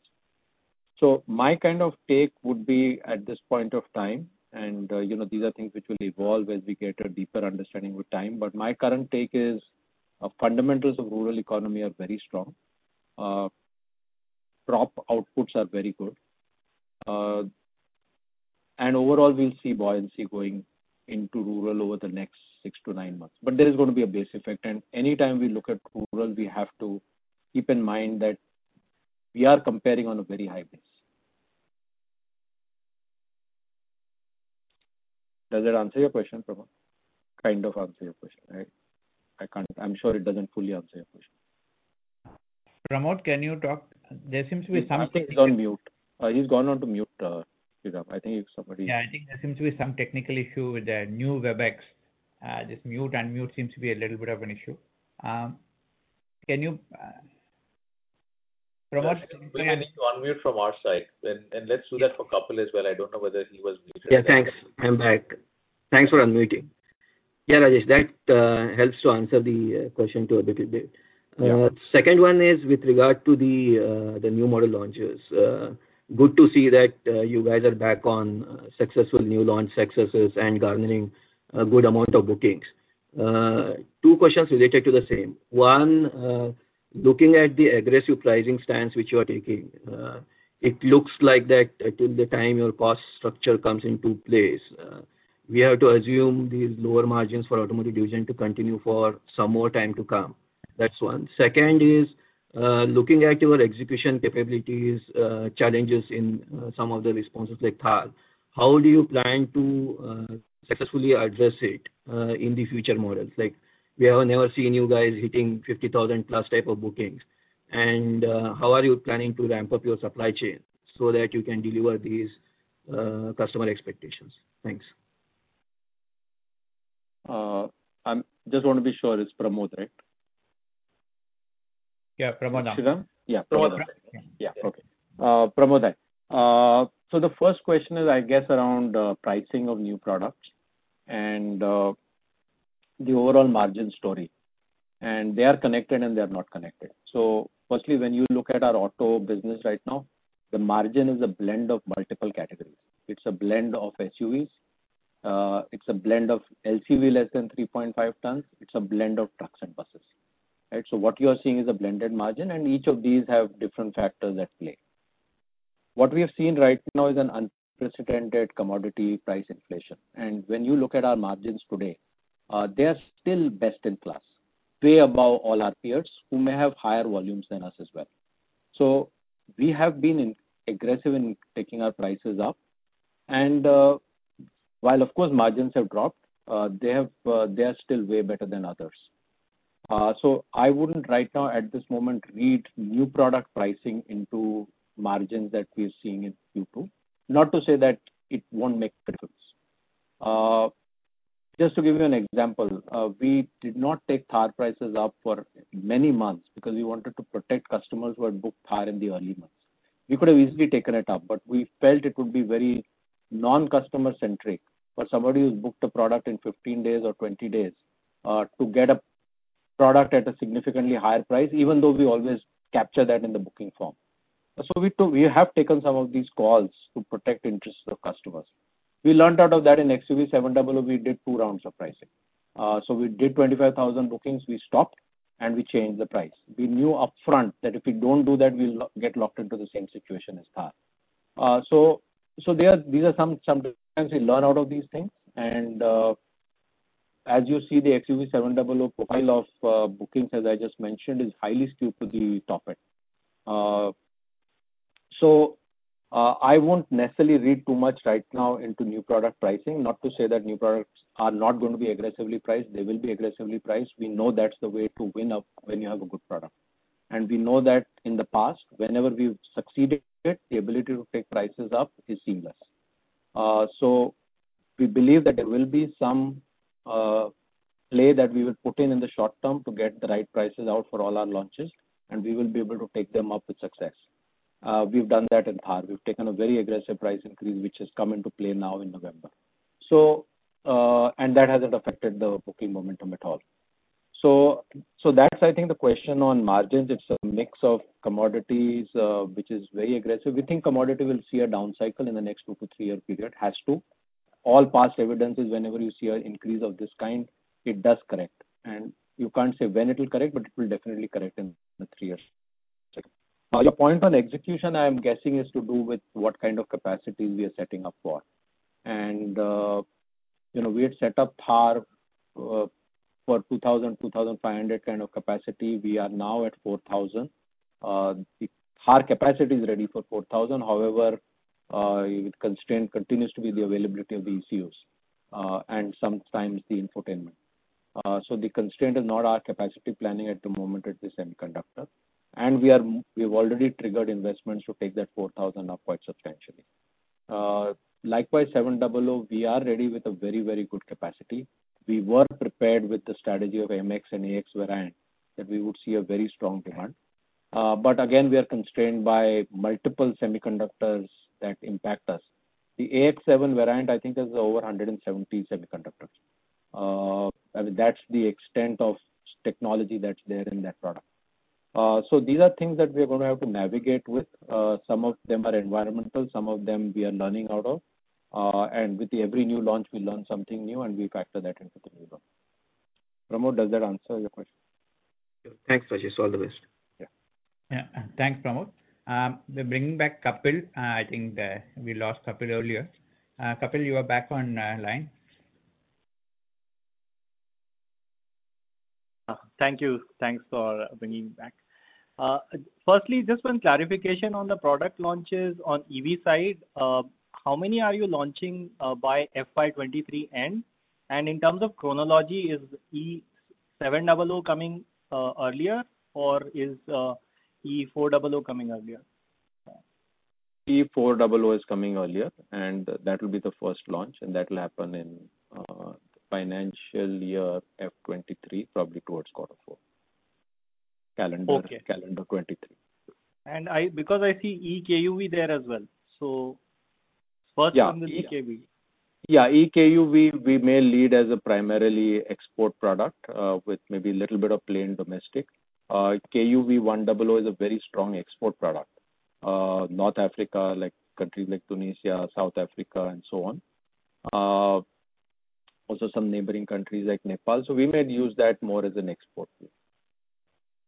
My kind of take would be at this point of time, and, you know, these are things which will evolve as we get a deeper understanding with time, but my current take is, fundamentals of rural economy are very strong. Crop outputs are very good. Overall, we'll see buoyancy going into rural over the next six to nine months. There is gonna be a base effect, and anytime we look at rural, we have to keep in mind that we are comparing on a very high base. Does that answer your question, Pramod? Kind of answer your question, right? I'm sure it doesn't fully answer your question. Pramod, can you talk? There seems to be some- I think he's on mute. He's gone on mute, Sriram. I think if somebody Yeah, I think there seems to be some technical issue with the new Webex. This mute/unmute seems to be a little bit of an issue. Pramod, can you- We're gonna need to unmute from our side. Let's do that for Kapil as well. I don't know whether he was muted. Yeah. Thanks. I'm back. Thanks for unmuting. Yeah, Rajesh, that helps to answer the question a little bit. Yeah. Second one is with regard to the new model launches. Good to see that you guys are back on successful new launch successes and garnering a good amount of bookings. Two questions related to the same. One, looking at the aggressive pricing stance which you are taking, it looks like that until the time your cost structure comes into place, we have to assume these lower margins for automotive division to continue for some more time to come. That's one. Second is, looking at your execution capabilities, challenges in some of the responses like Thar, how do you plan to successfully address it in the future models? Like, we have never seen you guys hitting 50,000+ type of bookings. How are you planning to ramp up your supply chain so that you can deliver these customer expectations? Thanks. I'm just wanna be sure it's Pramod, right? Yeah. Pramod Amthe. Yeah. Pramod Amthe. Yeah. Okay. Pramod, the first question is, I guess, around pricing of new products and the overall margin story. They are connected, and they are not connected. Firstly, when you look at our auto business right now, the margin is a blend of multiple categories. It's a blend of SUVs. It's a blend of LCV less than 3.5 tons. It's a blend of trucks and buses. Right? What you are seeing is a blended margin, and each of these have different factors at play. What we have seen right now is an unprecedented commodity price inflation. When you look at our margins today, they are still best in class, way above all our peers who may have higher volumes than us as well. We have been aggressive in taking our prices up. While of course margins have dropped, they are still way better than others. So, I wouldn't right now at this moment read new product pricing into margins that we're seeing in Q2. Not to say that it won't make difference. Just to give you an example, we did not take Thar prices up for many months because we wanted to protect customers who had booked Thar in the early months. We could have easily taken it up, but we felt it would be very non-customer centric for somebody who's booked a product in 15 days or 20 days to get a product at a significantly higher price, even though we always capture that in the booking form. So, we too have taken some of these calls to protect interests of customers. We learned out of that in XUV700, we did two rounds of pricing. We did 25,000 bookings. We stopped and we changed the price. We knew upfront that if we don't do that, we'll get locked into the same situation as Thar. These are some lessons we learn out of these things. As you see, the XUV700 profile of bookings, as I just mentioned, is highly skewed to the top. I won't necessarily read too much right now into new product pricing. Not to say that new products are not gonna be aggressively priced. They will be aggressively priced. We know that's the way to win when you have a good product. We know that in the past, whenever we've succeeded, the ability to take prices up is seamless. We believe that there will be some play that we will put in in the short term to get the right prices out for all our launches, and we will be able to take them up with success. We've done that in Thar. We've taken a very aggressive price increase, which has come into play now in November. That hasn't affected the booking momentum at all. That's I think the question on margins. It's a mix of commodities which is very aggressive. We think commodity will see a down cycle in the next two-three-year period. It has to. All past evidences, whenever you see an increase of this kind, it does correct. You can't say when it will correct, but it will definitely correct in the three years. Your point on execution, I am guessing, is to do with what kind of capacity we are setting up for. You know, we had set up Thar for 2,000-2,500 kind of capacity. We are now at 4,000. Thar capacity is ready for 4,000. However, constraint continues to be the availability of the ECUs and sometimes the infotainment. The constraint is not our capacity planning at the moment, it's the semiconductor. We've already triggered investments to take that 4,000 up quite substantially. Likewise, 700, we are ready with a very, very good capacity. We were prepared with the strategy of MX and AX variant that we would see a very strong demand. Again, we are constrained by multiple semiconductors that impact us. The AX7 variant, I think, has over 170 semiconductors. I mean, that's the extent of technology that's there in that product. These are things that we're gonna have to navigate with. Some of them are environmental, some of them we are learning out of. With every new launch, we learn something new, and we factor that into the new one. Pramod, does that answer your question? Thanks, Rajesh. All the best. Yeah. Yeah. Thanks, Pramod. Bringing back Kapil. I think we lost Kapil earlier. Kapil, you are back on line. Thank you. Thanks for bringing me back. Firstly, just one clarification on the product launches on EV side. How many are you launching by FY 2023 end? In terms of chronology, is E700 coming earlier, or is E400 coming earlier? E400 is coming earlier, and that will be the first launch, and that will happen in financial year FY 2023, probably towards quarter four. Okay. Calendar 2023. I, because I see eKUV there as well. First one is eKUV. Yeah. eKUV, we may lead as a primarily export product, with maybe a little bit of play in domestic. eKUV100 is a very strong export product. North Africa, like countries like Tunisia, South Africa, and so on. Also, some neighboring countries like Nepal. We may use that more as an export play.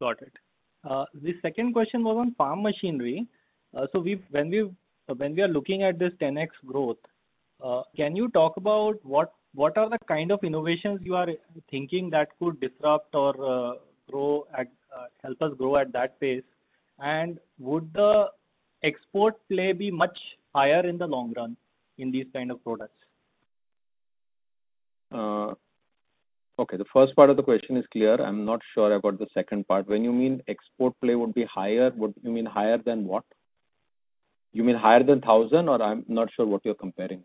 Got it. The second question was on farm machinery. So, we've, when we've—when we are looking at this 10x growth, can you talk about what are the kind of innovations you are thinking that could disrupt or grow at help us grow at that pace? Would the export play be much higher in the long run in these kind of products? Okay. The first part of the question is clear. I'm not sure about the second part. When you mean export play would be higher, would you mean higher than what? You mean higher than thousand, or I'm not sure what you're comparing.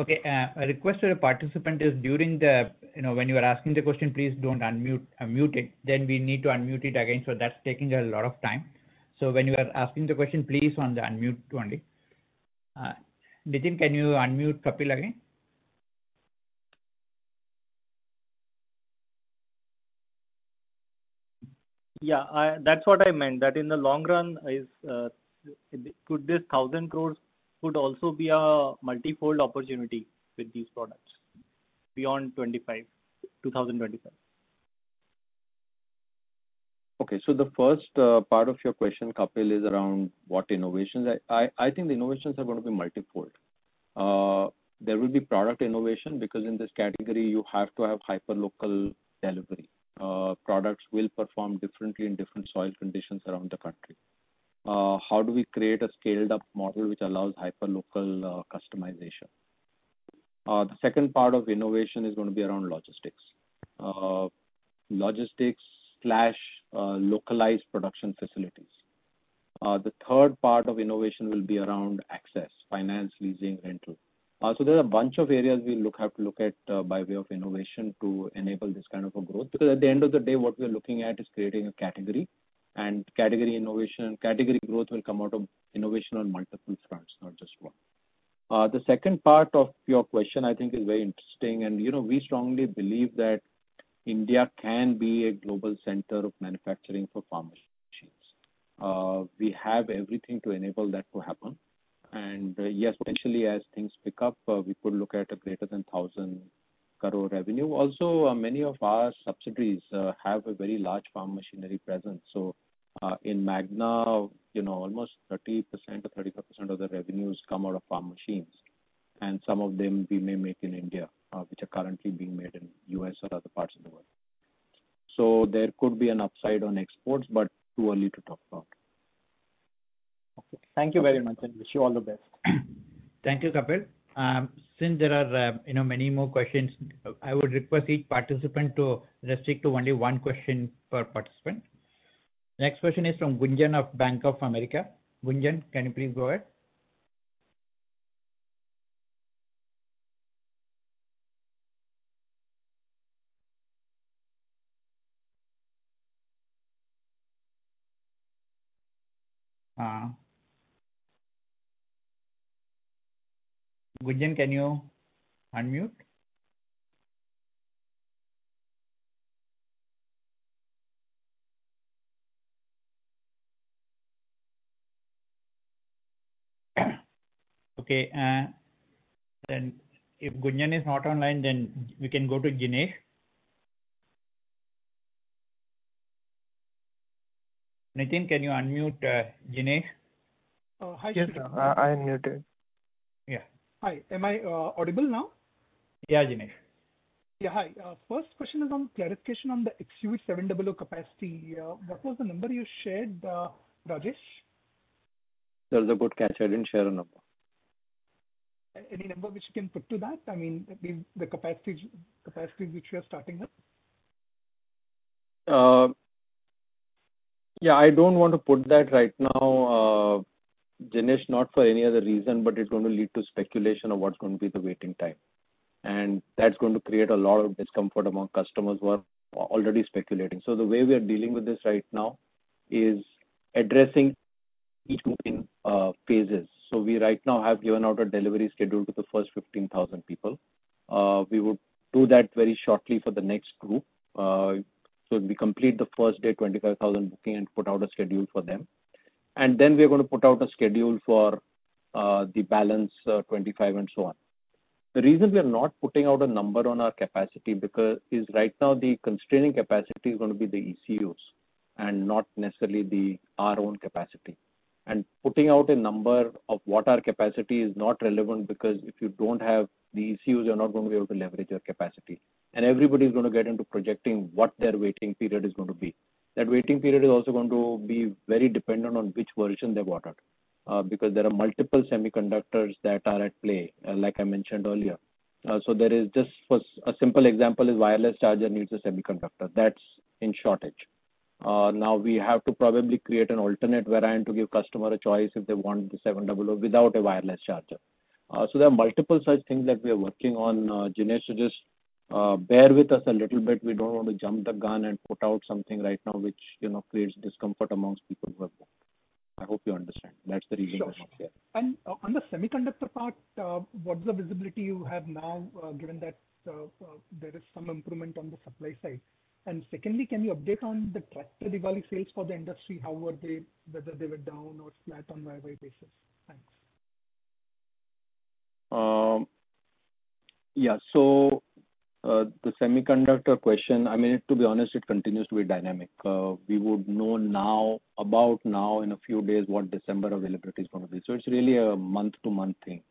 Okay, a request to the participant is during the, you know, when you are asking the question, please don't unmute, mute it. We need to unmute it again. That's taking a lot of time. When you are asking the question, please on the unmute only. Nitin, can you unmute Kapil again? Yeah, that's what I meant, that in the long run, could this 1,000 crores also be a multifold opportunity with these products beyond 2025? Okay. The first part of your question, Kapil, is around what innovations. I think the innovations are gonna be multi-fold. There will be product innovation because in this category you have to have hyperlocal delivery. Products will perform differently in different soil conditions around the country. How do we create a scaled up model which allows hyperlocal customization? The second part of innovation is gonna be around logistics, localized production facilities. The third part of innovation will be around access, finance, leasing, rental. There are a bunch of areas we have to look at by way of innovation to enable this kind of a growth. Because at the end of the day, what we are looking at is creating a category and category innovation, category growth will come out of innovation on multiple fronts, not just one. The second part of your question I think is very interesting. You know, we strongly believe that India can be a global center of manufacturing for farm machines. We have everything to enable that to happen. Yes, potentially as things pick up, we could look at a greater than 1,000 crores revenue. Also, many of our subsidiaries have a very large farm machinery presence. In MAgNA, you know, almost 30% or 35% of the revenues come out of farm machines, and some of them we may make in India, which are currently being made in U.S. or other parts of the world. There could be an upside on exports, but too early to talk about. Okay. Thank you very much, and we wish you all the best. Thank you, Kapil. Since there are, you know, many more questions, I would request each participant to restrict to only one question per participant. Next question is from Gunjan of Bank of America. Gunjan, can you please go ahead? Gunjan, can you unmute? Okay, then if Gunjan is not online, then we can go to Jinesh. Nitin, can you unmute, Jinesh? Oh, hi. Yes, sir. I unmuted. Yeah. Hi. Am I audible now? Yeah, Jinesh. Yeah, hi. First question is on clarification on the XUV700 capacity. What was the number you shared, Rajesh? That is a good catch. I didn't share a number. Any number which you can put to that? I mean, the capacity which you are starting up. Yeah, I don't want to put that right now, Jinesh, not for any other reason, but it's gonna lead to speculation of what's going to be the waiting time. That's going to create a lot of discomfort among customers who are already speculating. The way we are dealing with this right now is addressing each booking phases. We right now have given out a delivery schedule to the first 15,000 people. We will do that very shortly for the next group. We complete the first day 25,000 booking and put out a schedule for them. Then we're gonna put out a schedule for the balance 25 and so on. The reason we are not putting out a number on our capacity because. Right now the constraining capacity is gonna be the ECUs and not necessarily our own capacity. Putting out a number of what our capacity is not relevant because if you don't have the ECUs, you're not gonna be able to leverage your capacity. Everybody's gonna get into projecting what their waiting period is gonna be. That waiting period is also going to be very dependent on which version they've ordered, because there are multiple semiconductors that are at play, like I mentioned earlier. A simple example is wireless charger needs a semiconductor. That's in shortage. We have to probably create an alternate variant to give customer a choice if they want the 700 without a wireless charger. There are multiple such things that we are working on, Jinesh, so just bear with us a little bit. We don't want to jump the gun and put out something right now which, you know, creates discomfort amongst people who have booked. I hope you understand. That's the reason I'm not sharing. Sure. On the semiconductor part, what's the visibility you have now, given that there is some improvement on the supply side? Secondly, can you update on the tractor Diwali sales for the industry? How were they? Whether they were down or flat on YOY basis? Thanks. Yeah. The semiconductor question, I mean, to be honest, it continues to be dynamic. We would know in a few days what December availability is gonna be. It's really a month-to-month thing.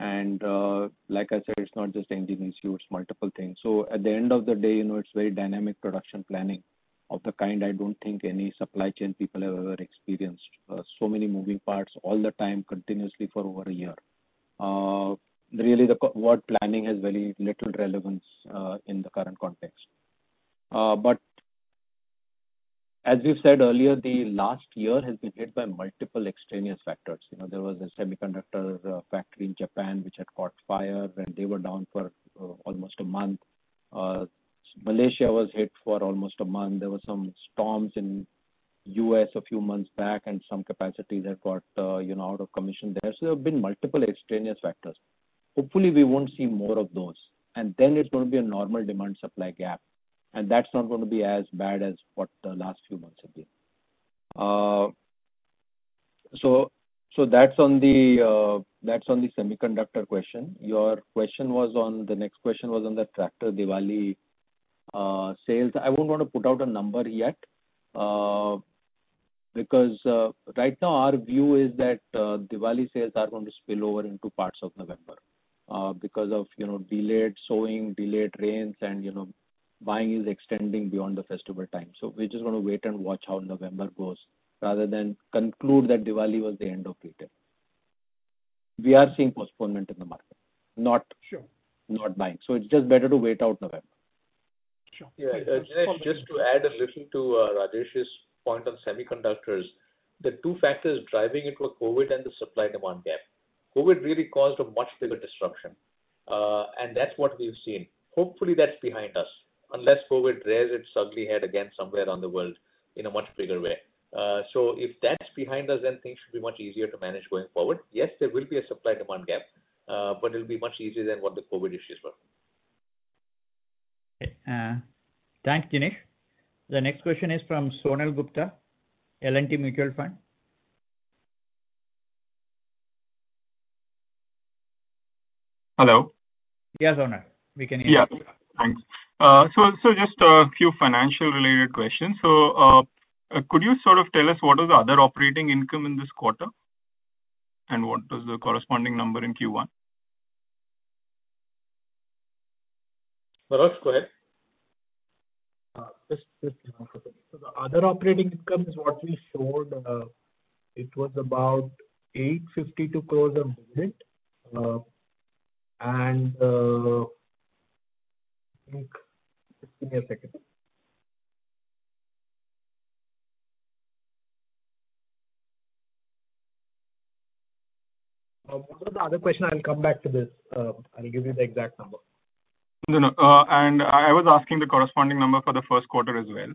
Like I said, it's not just engine ECU, it's multiple things. At the end of the day, you know, it's very dynamic production planning of the kind I don't think any supply chain people have ever experienced. Many moving parts all the time continuously for over a year. Really, forward planning has very little relevance in the current context. As we've said earlier, the last year has been hit by multiple extraneous factors. You know, there was a semiconductor factory in Japan which had caught fire, and they were down for almost a month. Malaysia was hit for almost a month. There were some storms in U.S. a few months back, and some capacities have got, you know, out of commission there. There have been multiple extraneous factors. Hopefully, we won't see more of those. It's gonna be a normal demand supply gap, and that's not gonna be as bad as what the last few months have been. That's on the semiconductor question. The next question was on the tractor Diwali sales. I won't wanna put out a number yet, because right now our view is that Diwali sales are going to spill over into parts of November, because of, you know, delayed sowing, delayed rains and, you know, buying is extending beyond the festival time. We're just gonna wait and watch how November goes rather than conclude that Diwali was the end of peak day. We are seeing postponement in the market, not Sure. Not buying. It's just better to wait out November. Sure. Yeah. Just to add a little to Rajesh's point on semiconductors. The two factors driving it were COVID and the supply-demand gap. COVID really caused a much bigger disruption, and that's what we've seen. Hopefully, that's behind us. Unless COVID rears its ugly head again somewhere around the world in a much bigger way. If that's behind us, then things should be much easier to manage going forward. Yes, there will be a supply-demand gap, but it'll be much easier than what the COVID issues were. Okay. Thanks, Jinesh. The next question is from Sonal Gupta, L&T Mutual Fund. Hello. Yes, Sonal. We can hear you. Yeah. Thanks. Just a few financial related questions. Could you sort of tell us what is the other operating income in this quarter, and what was the corresponding number in Q1? Manoj, go ahead. Just hang on for a second. The other operating income is what we showed. It was about 852 crores of dividend. Just give me a second. What was the other question? I'll come back to this. I'll give you the exact number. No, no. I was asking the corresponding number for the first quarter as well.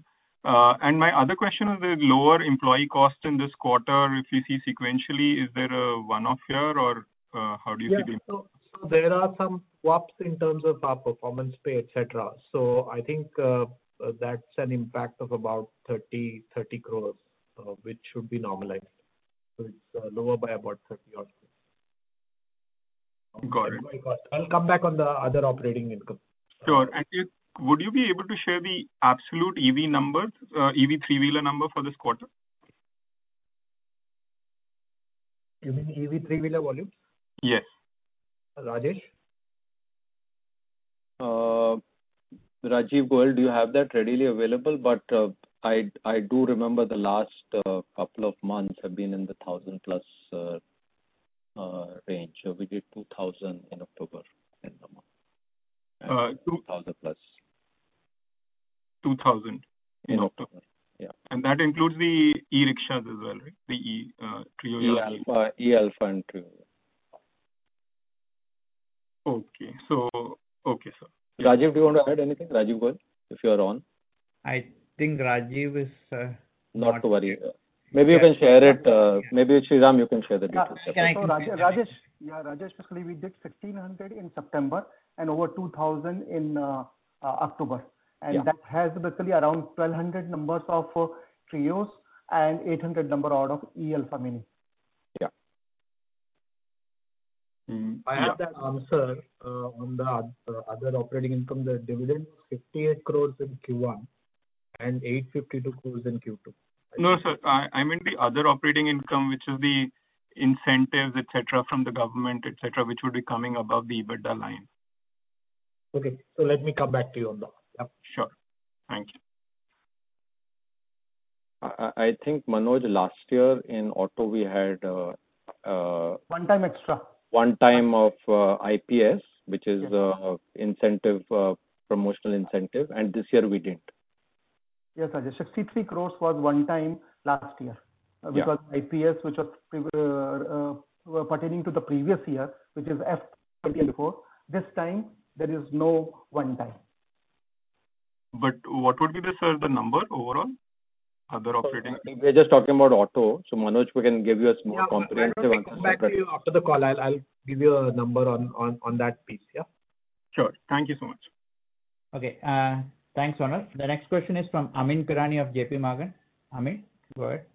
My other question, with lower employee cost in this quarter, if you see sequentially, is there a one-off here or how do you see the- There are some swaps in terms of our performance pay, et cetera. I think that's an impact of about 30 crores, which should be normalized. It's lower by about 30-odd crores. Got it. I'll come back on the other operating income. Sure. Would you be able to share the absolute EV numbers, EV three-wheeler number for this quarter? You mean EV three-wheeler volumes? Yes. Rajesh? Rajeev Goyal, do you have that readily available? I do remember the last couple of months have been in the 1,000+ range. We did 2,000 in October end number. Uh, two- 2,000+. 2,000 in October. Yeah. That includes the e-rickshaws as well, right? The e, Treo e- e-Alfa and Treo. Okay, sir. Rajiv, do you want to add anything? Rajeev Goyal, if you are on. I think Rajeev is. Not to worry. Maybe you can share it, maybe Sriram, you can share the details. Yeah. Can I confirm, Rajesh? Yeah, Rajesh, basically, we did 1,600 in September and over 2,000 in October. Yeah. That has basically around 1,200 numbers of Treo and 800 number out of e-Alfa Mini. Yeah. Mm-hmm. I have the answer on the other operating income, the dividend, 58 crores in Q1 and 852 crores in Q2. No, sir. I meant the other operating income, which is the incentives, et cetera, from the government, et cetera, which would be coming above the EBITDA line. Okay. Let me come back to you on that. Yeah. Sure. Thank you. I think, Manoj, last year in auto we had- One time extra. One-time IPS, which is incentive promotional incentive. This year we didn't. Yes, Rajesh. 63 crores was one time last year. Yeah. Because IPS, which were pertaining to the previous year, which is FY 2024. This time there is no one time. What would be the, sir, the number overall, other operating We're just talking about auto. Manoj can give you a small comprehensive- Yeah. Let me come back to you after the call. I'll give you a number on that piece. Yeah? Sure. Thank you so much. Okay. Thanks, Sonal. The next question is from Amyn Pirani of JPMorgan. Amyn, go ahead.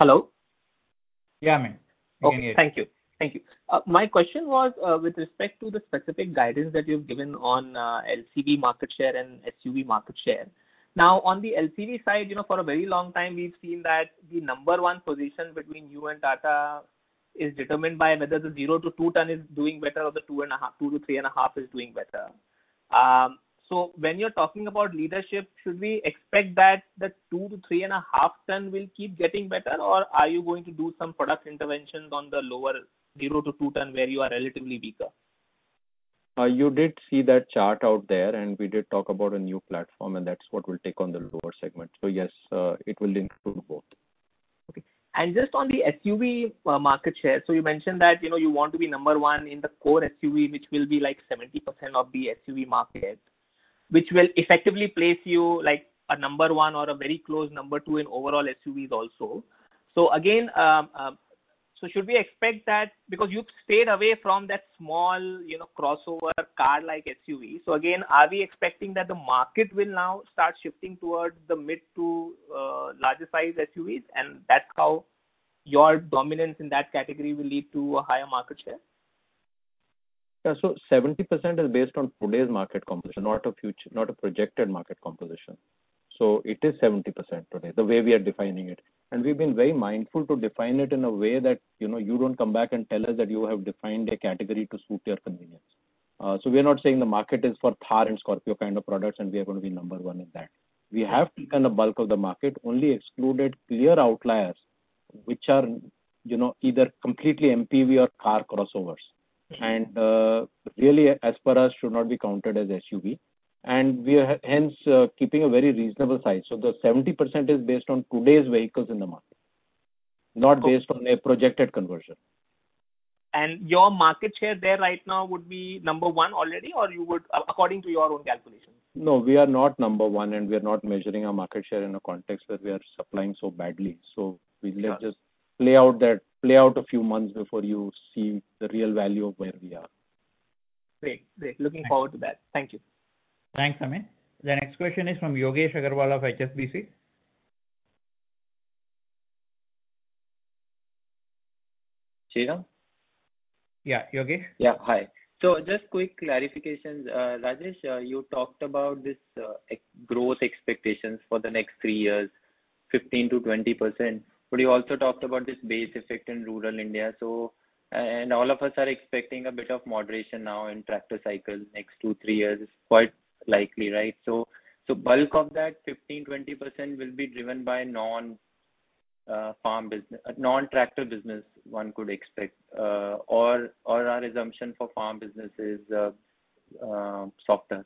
Hello. Yeah, Amyn. We can hear you. Thank you. My question was, with respect to the specific guidance that you've given on LCV market share and SUV market share. Now, on the LCV side, you know, for a very long time, we've seen that the number one position between you and Tata is determined by whether the 0-2 ton is doing better or the 2.5, 2-3.5 is doing better. So when you're talking about leadership, should we expect that the 2-3.5 ton will keep getting better, or are you going to do some product interventions on the lower 0-2 ton where you are relatively weaker? You did see that chart out there, and we did talk about a new platform, and that's what will take on the lower segment. Yes, it will include both. Okay. Just on the SUV market share. You mentioned that, you know, you want to be number one in the core SUV, which will be like 70% of the SUV market. Which will effectively place you like a number one or a very close number two in overall SUVs also. Again, so should we expect that because you've stayed away from that small, you know, crossover car-like SUV. Again, are we expecting that the market will now start shifting towards the mid to larger sized SUVs, and that's how your dominance in that category will lead to a higher market share? 70% is based on today's market composition, not a projected market composition. It is 70% today, the way we are defining it. We've been very mindful to define it in a way that, you know, you don't come back and tell us that you have defined a category to suit your convenience. We are not saying the market is for Thar and Scorpio kind of products, and we are gonna be number one in that. We have taken a bulk of the market, only excluded clear outliers, which are, you know, either completely MPV or car crossovers. Mm-hmm. Really, as per us, should not be counted as SUV. We are hence keeping a very reasonable size. The 70% is based on today's vehicles in the market, not based on a projected conversion. Your market share there right now would be number one already, or you would according to your own calculations? No, we are not number one, and we are not measuring our market share in a context where we are supplying so badly. Sure. Let's just play out a few months before you see the real value of where we are. Great. Thanks. Looking forward to that. Thank you. Thanks, Amit. The next question is from Yogesh Aggarwal of HSBC. Sriram? Yeah. Yogesh. Yeah, hi. Just quick clarifications. Rajesh, you talked about this ex-growth expectations for the next three years, 15%-20%, but you also talked about this base effect in rural India. All of us are expecting a bit of moderation now in tractor cycle next two-three years is quite likely, right? Bulk of that 15%-20% will be driven by non-farm business, non-tractor business one could expect. Our assumption for farm business is softer.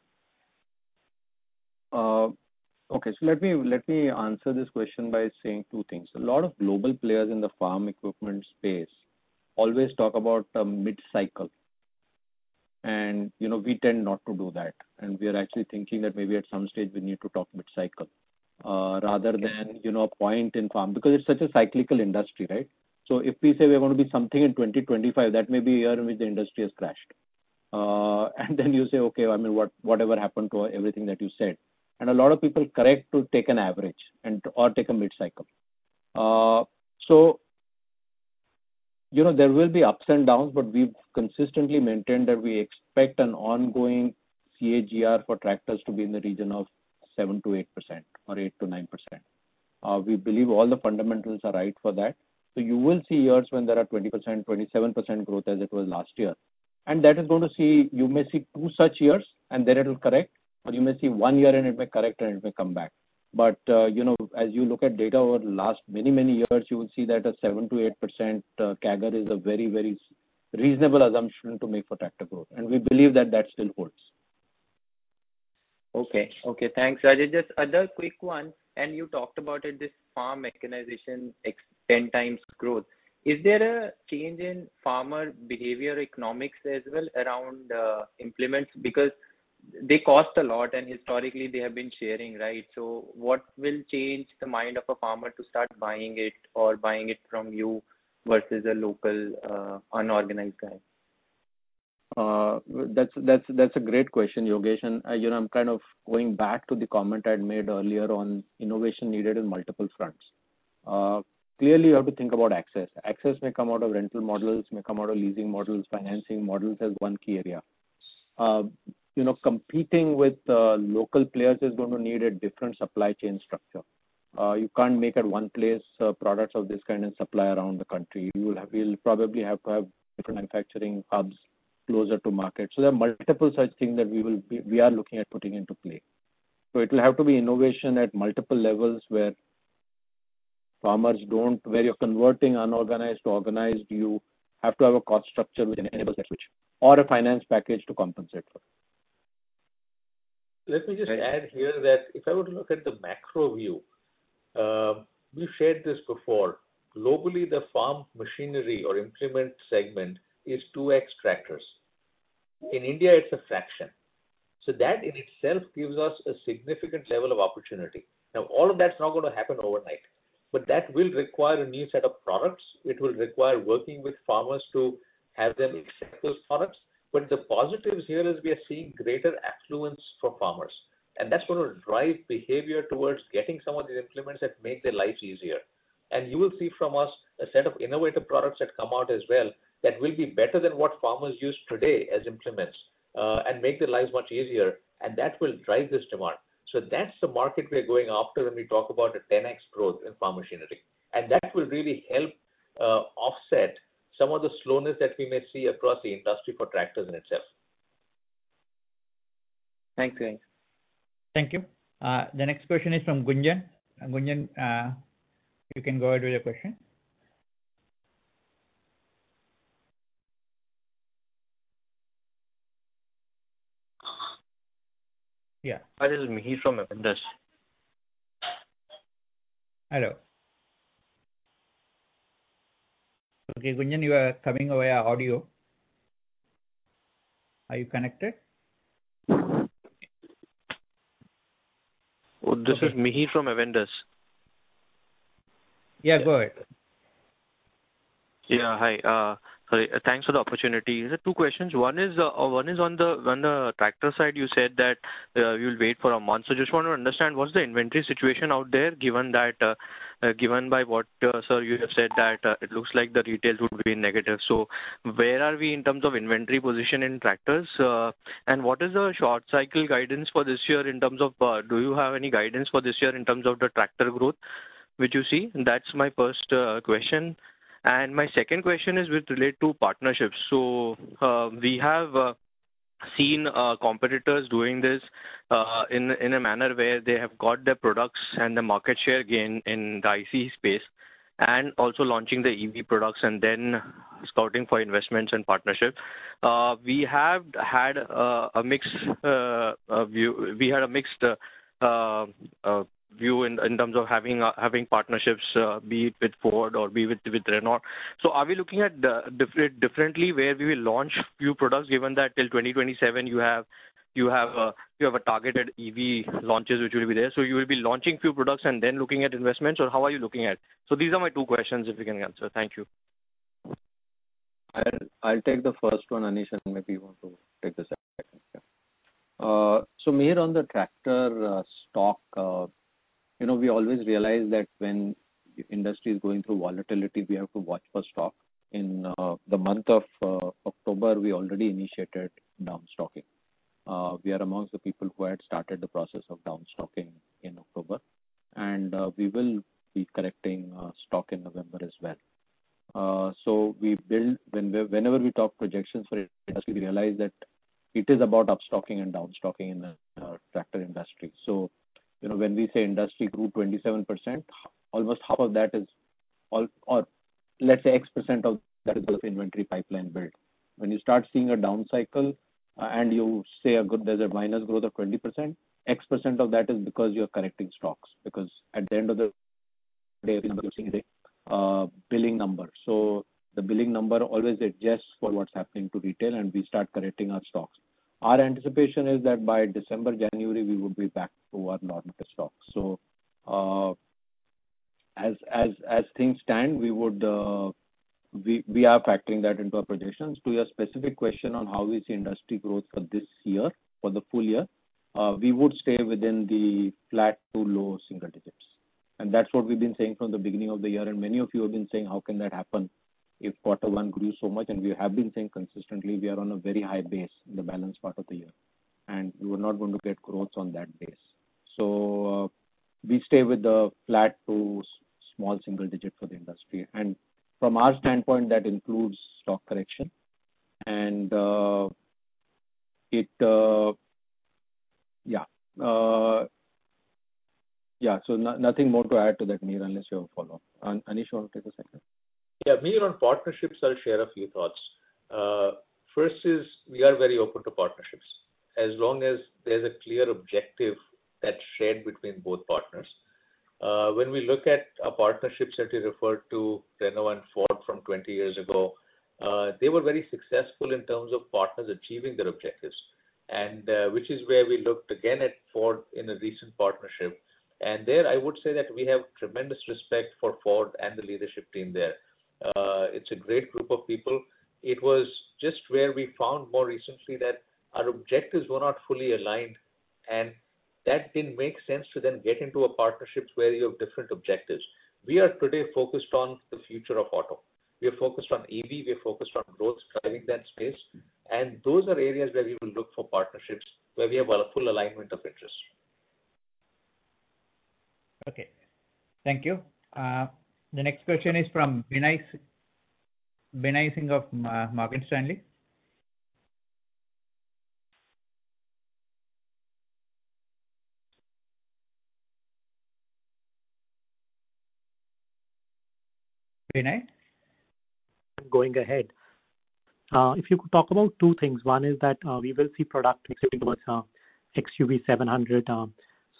Let me answer this question by saying two things. A lot of global players in the farm equipment space always talk about a mid-cycle and, you know, we tend not to do that. We are actually thinking that maybe at some stage we need to talk mid-cycle, rather than, you know, a point in farm because it's such a cyclical industry, right? If we say we're gonna be something in 2025, that may be a year in which the industry has crashed. Then you say, "Okay, I mean, what, whatever happened to everything that you said?" A lot of people expect to take an average or take a mid-cycle. You know, there will be ups and downs, but we've consistently maintained that we expect an ongoing CAGR for tractors to be in the region of 7%-8% or 8%-9%. We believe all the fundamentals are right for that. You will see years when there are 20%, 27% growth as it was last year. You may see two such years and then it'll correct. You may see one year, and it may correct and it may come back. You know, as you look at data over the last many years, you will see that a 7%-8% CAGR is a very, very reasonable assumption to make for tractor growth. We believe that that still holds. Okay, thanks, Rajesh. Just another quick one, and you talked about it, this farm mechanization 10x growth. Is there a change in farmer behavior economics as well around implements? Because they cost a lot, and historically they have been sharing, right? What will change the mind of a farmer to start buying it or buying it from you versus a local unorganized guy? That's a great question, Yogesh. You know, I'm kind of going back to the comment I had made earlier on innovation needed in multiple fronts. Clearly you have to think about access. Access may come out of rental models, may come out of leasing models, financing models as one key area. You know, competing with local players is gonna need a different supply chain structure. You can't make at one place products of this kind and supply around the country. You'll probably have to have different manufacturing hubs closer to market. There are multiple such things that we are looking at putting into play. It will have to be innovation at multiple levels where farmers don't, where you're converting unorganized to organized, you have to have a cost structure which enables that switch or a finance package to compensate for it. Let me just add here that if I were to look at the macro view, we've shared this before. Globally, the farm machinery or implement segment is 2x tractors. In India it's a fraction. That in itself gives us a significant level of opportunity. Now all of that's not gonna happen overnight, but that will require a new set of products. It will require working with farmers to have them accept those products. The positives here is we are seeing greater affluence for farmers, and that's gonna drive behavior towards getting some of these implements that make their lives easier. You will see from us a set of innovative products that come out as well that will be better than what farmers use today as implements, and make their lives much easier, and that will drive this demand. That's the market we are going after when we talk about a 10x growth in farm machinery. That will really help offset some of the slowness that we may see across the industry for tractors in itself. Thanks. Thank you. The next question is from Gunjan. Gunjan, you can go ahead with your question. Yeah. Adil, he's from Avendus. Hello. Okay, Gunjan, your audio is coming over. Are you connected? Oh, this is Mihir from Avendus. Yeah, go ahead. Yeah. Hi. Sorry. Thanks for the opportunity. There are two questions. One is on the tractor side. You said that you'll wait for a month. Just want to understand what's the inventory situation out there, given what sir you have said that it looks like the retail would be negative. So where are we in terms of inventory position in tractors? And what is our short cycle guidance for this year in terms of do you have any guidance for this year in terms of the tractor growth which you see? That's my first question. And my second question is related to partnerships. We have seen competitors doing this in a manner where they have got their products and the market share gain in the ICE space and also launching the EV products and then scouting for investments and partnerships. We had a mixed view in terms of having partnerships, be it with Ford or with Renault. Are we looking at differently, where we will launch new products given that till 2027 you have targeted EV launches which will be there? You will be launching few products and then looking at investments, or how are you looking at? These are my two questions, if you can answer. Thank you. I'll take the first one, Anish, and maybe you want to take the second. Mihir, on the tractor stock, you know, we always realize that when the industry is going through volatility, we have to watch for stock. In the month of October, we already initiated down stocking. We are amongst the people who had started the process of down stocking in October. We will be correcting stock in November as well. Whenever we talk projections for it, as we realize that it is about up stocking and down stocking in the tractor industry. You know, when we say industry grew 27%, almost half of that is or let's say X percent of that is of inventory pipeline build. When you start seeing a down cycle, and you say okay, there's a minus growth of 20%, X% of that is because you're correcting stocks, because at the end of the day, we are using the billing number. So the billing number always adjusts for what's happening to retail, and we start correcting our stocks. Our anticipation is that by December, January, we will be back to our normal stock. So, as things stand, we are factoring that into our projections. To your specific question on how we see industry growth for this year, for the full year, we would stay within the flat to low single digits. That's what we've been saying from the beginning of the year. Many of you have been saying, how can that happen if quarter one grew so much? We have been saying consistently, we are on a very high base in the balance part of the year, and we were not going to get growth on that base. We stay with the flat to small single-digit for the industry. From our standpoint, that includes stock correction. Nothing more to add to that, Mihir, unless you have a follow-up. Anish, you want to take a second? Yeah. Mihir, on partnerships, I'll share a few thoughts. First, we are very open to partnerships, as long as there's a clear objective that's shared between both partners. When we look at partnerships that you referred to, Renault and Ford from 20 years ago, they were very successful in terms of partners achieving their objectives. Which is where we looked again at Ford in a recent partnership. There, I would say that we have tremendous respect for Ford and the leadership team there. It's a great group of people. It was just where we found more recently that our objectives were not fully aligned, and that didn't make sense to then get into a partnerships where you have different objectives. We are today focused on the future of auto. We are focused on EV, we are focused on growth driving that space. Those are areas where we will look for partnerships where we have a full alignment of interest. Okay. Thank you. The next question is from Binay Singh of Morgan Stanley. Binay? Going ahead. If you could talk about two things. One is that, we will see product mix moving towards, XUV700.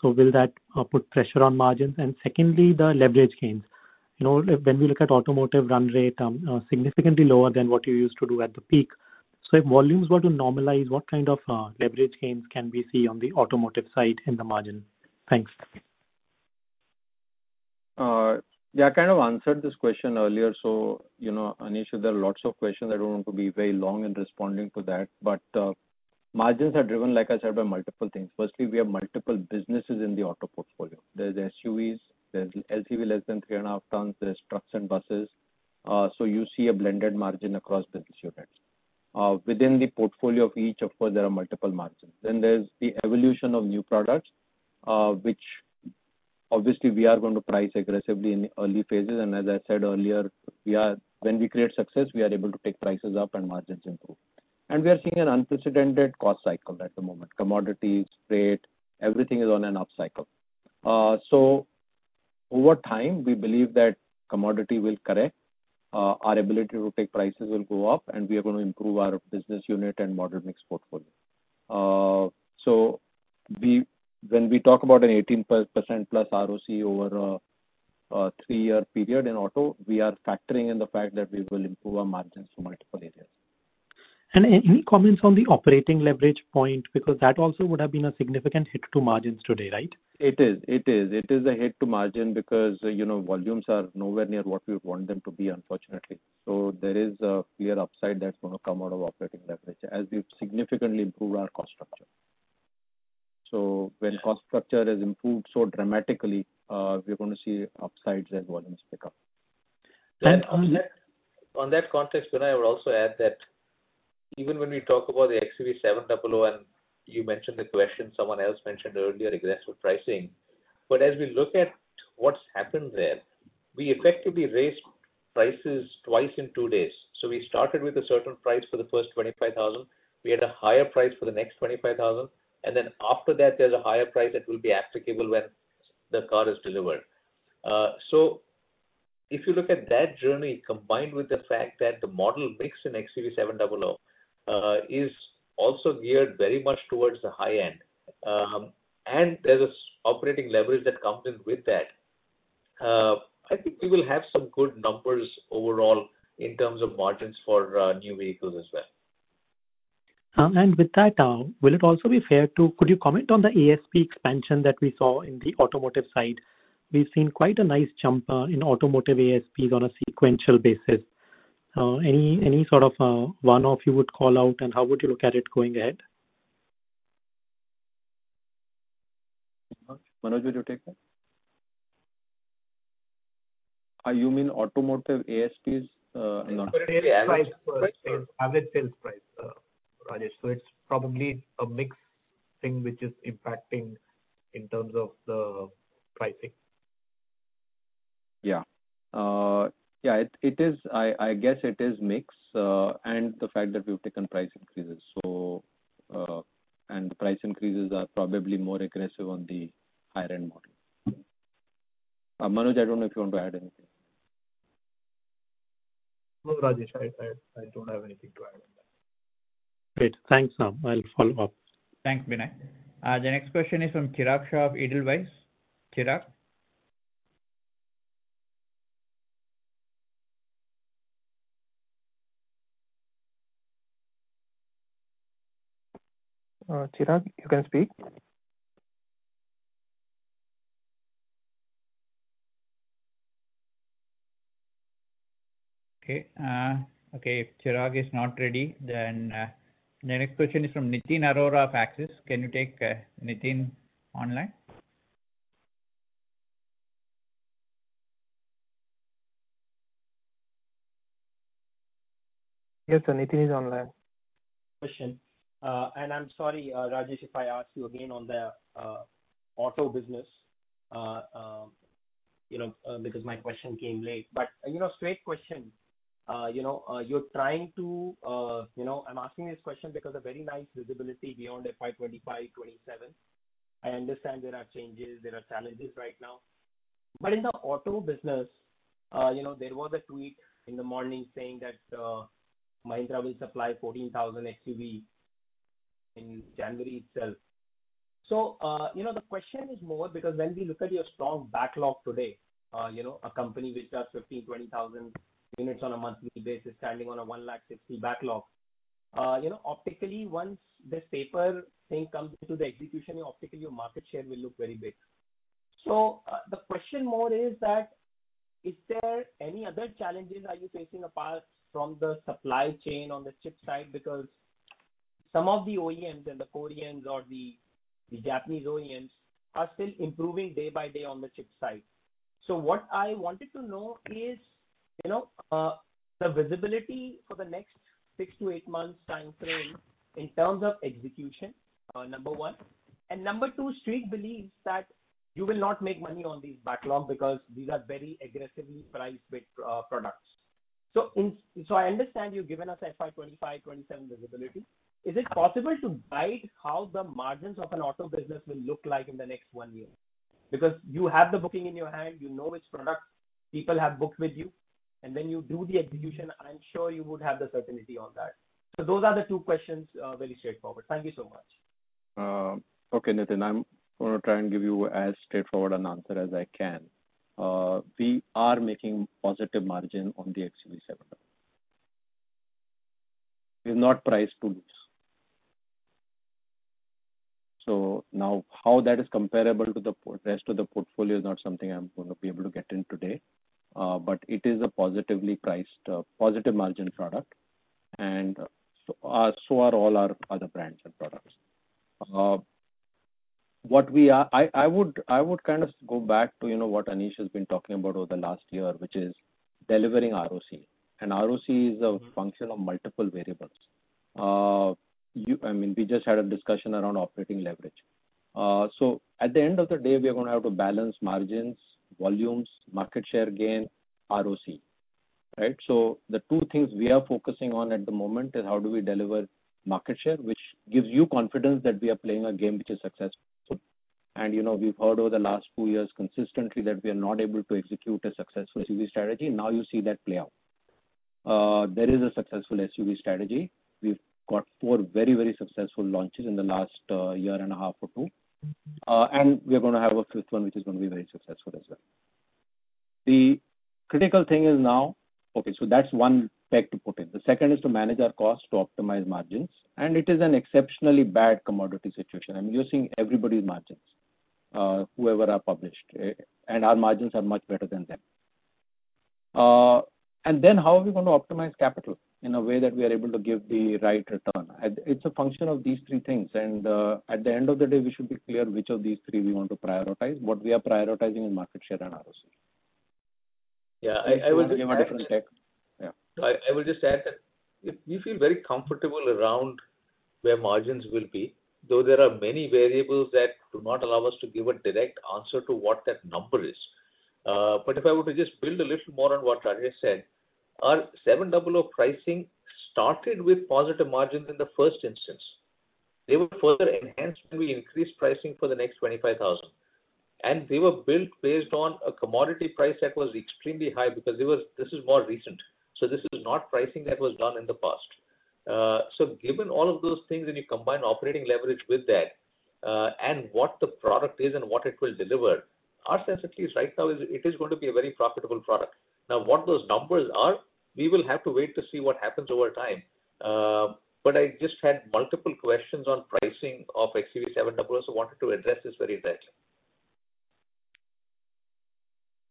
So will that put pressure on margins? And secondly, the leverage gains. You know, when we look at automotive run rate, significantly lower than what you used to do at the peak. So if volumes were to normalize, what kind of leverage gains can we see on the automotive side in the margin? Thanks. Yeah, I kind of answered this question earlier. You know, Anish, there are lots of questions. I don't want to be very long in responding to that, but, margins are driven, like I said, by multiple things. Firstly, we have multiple businesses in the auto portfolio. There's SUVs, there's LCV less than three and a half tons, there's trucks and buses. You see a blended margin across the business units. Within the portfolio of each, of course, there are multiple margins. Then there's the evolution of new products, which obviously we are going to price aggressively in the early phases. As I said earlier, when we create success, we are able to take prices up and margins improve. We are seeing an unprecedented cost cycle at the moment. Commodities, freight, everything is on an upcycle. Over time, we believe that commodity will correct, our ability to take prices will go up, and we are gonna improve our business unit and model mix portfolio. We, when we talk about an 18%+ ROC over a three-year period in auto, are factoring in the fact that we will improve our margins from multiple areas. Any comments on the operating leverage point? Because that also would have been a significant hit to margins today, right? It is a hit to margin because, you know, volumes are nowhere near what we want them to be, unfortunately. There is a clear upside that's gonna come out of operating leverage as we've significantly improved our cost structure. When cost structure has improved so dramatically, we're gonna see upsides as volumes pick up. And on- On that context, Binay, I would also add that even when we talk about the XUV700 and you mentioned the question, someone else mentioned earlier, aggressive pricing, but as we look at what's happened there, we effectively raised prices twice in two days. We started with a certain price for the first 25,000. We had a higher price for the next 25,000, and then after that, there's a higher price that will be applicable when the car is delivered. If you look at that journey, combined with the fact that the model mix in XUV700 is also geared very much towards the high end, and there's this operating leverage that comes in with that, I think we will have some good numbers overall in terms of margins for new vehicles as well. Could you comment on the ASP expansion that we saw in the automotive side? We've seen quite a nice jump in automotive ASPs on a sequential basis. Any sort of one-off you would call out and how would you look at it going ahead? Manoj, would you take that? You mean automotive ASPs? No. It is price per average sales price, Rajesh. It's probably a mix thing which is impacting in terms of the pricing. Yeah, it is. I guess it is mix, and the fact that we've taken price increases. Price increases are probably more aggressive on the higher end model. Manoj, I don't know if you want to add anything. No, Rajesh, I don't have anything to add on that. Great. Thanks. Now I'll follow up. Thanks, Binay. The next question is from Chirag Shah of Edelweiss. Chirag? Chirag, you can speak. Okay, if Chirag is not ready, then the next question is from Nitin Arora of Axis. Can you take Nitin online? Yes, sir, Nitin is online. Question. I'm sorry, Rajesh, if I ask you again on the auto business, you know, because my question came late, but you know, straight question. You know, you're trying to, you know, I'm asking this question because we have very nice visibility beyond FY 2025, 2027. I understand there are changes, there are challenges right now. In the auto business, you know, there was a tweet in the morning saying that Mahindra will supply 14,000 XUV in January itself. You know, the question is more because when we look at your strong backlog today, you know, a company which does 15,000-20,000 units on a monthly basis standing on a 150,000 backlog, you know, optically, once this paper thing comes into the execution, optically your market share will look very big. The question more is that is there any other challenges are you facing apart from the supply chain on the chip side? Because some of the OEMs and the Koreans or the Japanese OEMs are still improving day by day on the chip side. What I wanted to know is, you know, the visibility for the next six-eight months timeframe in terms of execution, number one. Number two, Street believes that you will not make money on these backlog because these are very aggressively priced products. I understand you've given us FY 2025, 2027 visibility. Is it possible to guide how the margins of an auto business will look like in the next one year? Because you have the booking in your hand, you know which product people have booked with you, and when you do the execution, I'm sure you would have the certainty on that. Those are the two questions, very straightforward. Thank you so much. Okay, Nitin. I'm gonna try and give you as straightforward an answer as I can. We are making positive margin on the XUV700. We've not priced to lose. Now how that is comparable to the rest of the portfolio is not something I'm gonna be able to get in today, but it is a positively priced, positive margin product and so are all our other brands and products. I would kind of go back to, you know, what Anish has been talking about over the last year, which is delivering ROC, and ROC is a function of multiple variables. I mean, we just had a discussion around operating leverage. At the end of the day, we are gonna have to balance margins, volumes, market share gain, ROC, right? The two things we are focusing on at the moment is how do we deliver market share, which gives you confidence that we are playing a game which is successful. You know, we've heard over the last two years consistently that we are not able to execute a successful XUV strategy. Now you see that play out. There is a successful SUV strategy. We've got four very, very successful launches in the last year and a half or two. And we are gonna have a fifth one, which is gonna be very successful as well. The critical thing is now. Okay, that's one peg to put in. The second is to manage our cost to optimize margins, and it is an exceptionally bad commodity situation. I mean, you're seeing everybody's margins, whoever are published. Our margins are much better than them. How are we gonna optimize capital in a way that we are able to give the right return? It's a function of these three things, and at the end of the day, we should be clear which of these three we want to prioritize. What we are prioritizing is market share and ROC. Yeah, I would just add. If you want to give a different take. Yeah. I would just add that we feel very comfortable around where margins will be, though there are many variables that do not allow us to give a direct answer to what that number is. If I were to just build a little more on what Rajesh said, our 700 pricing started with positive margins in the first instance. They were further enhanced when we increased pricing for the next 25,000. They were built based on a commodity price that was extremely high. This is more recent, so this is not pricing that was done in the past. Given all of those things, and you combine operating leverage with that, and what the product is and what it will deliver, our sense at least right now is it is going to be a very profitable product. Now, what those numbers are, we will have to wait to see what happens over time. I just had multiple questions on pricing of XUV700, so wanted to address this very directly.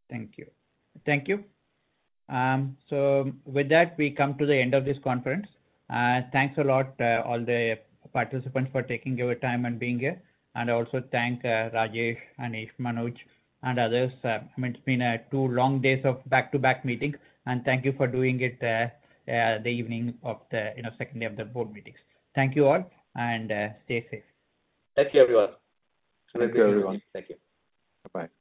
Thank you. With that, we come to the end of this conference. Thanks a lot, all the participants for taking your time and being here. Also thank Rajesh, Anish, Manoj, and others. I mean, it's been two long days of back-to-back meetings, and thank you for doing it the evening of the you know second day of the board meetings. Thank you all, and stay safe. Thank you, everyone. Thank you, everyone. Thank you. Bye. Bye.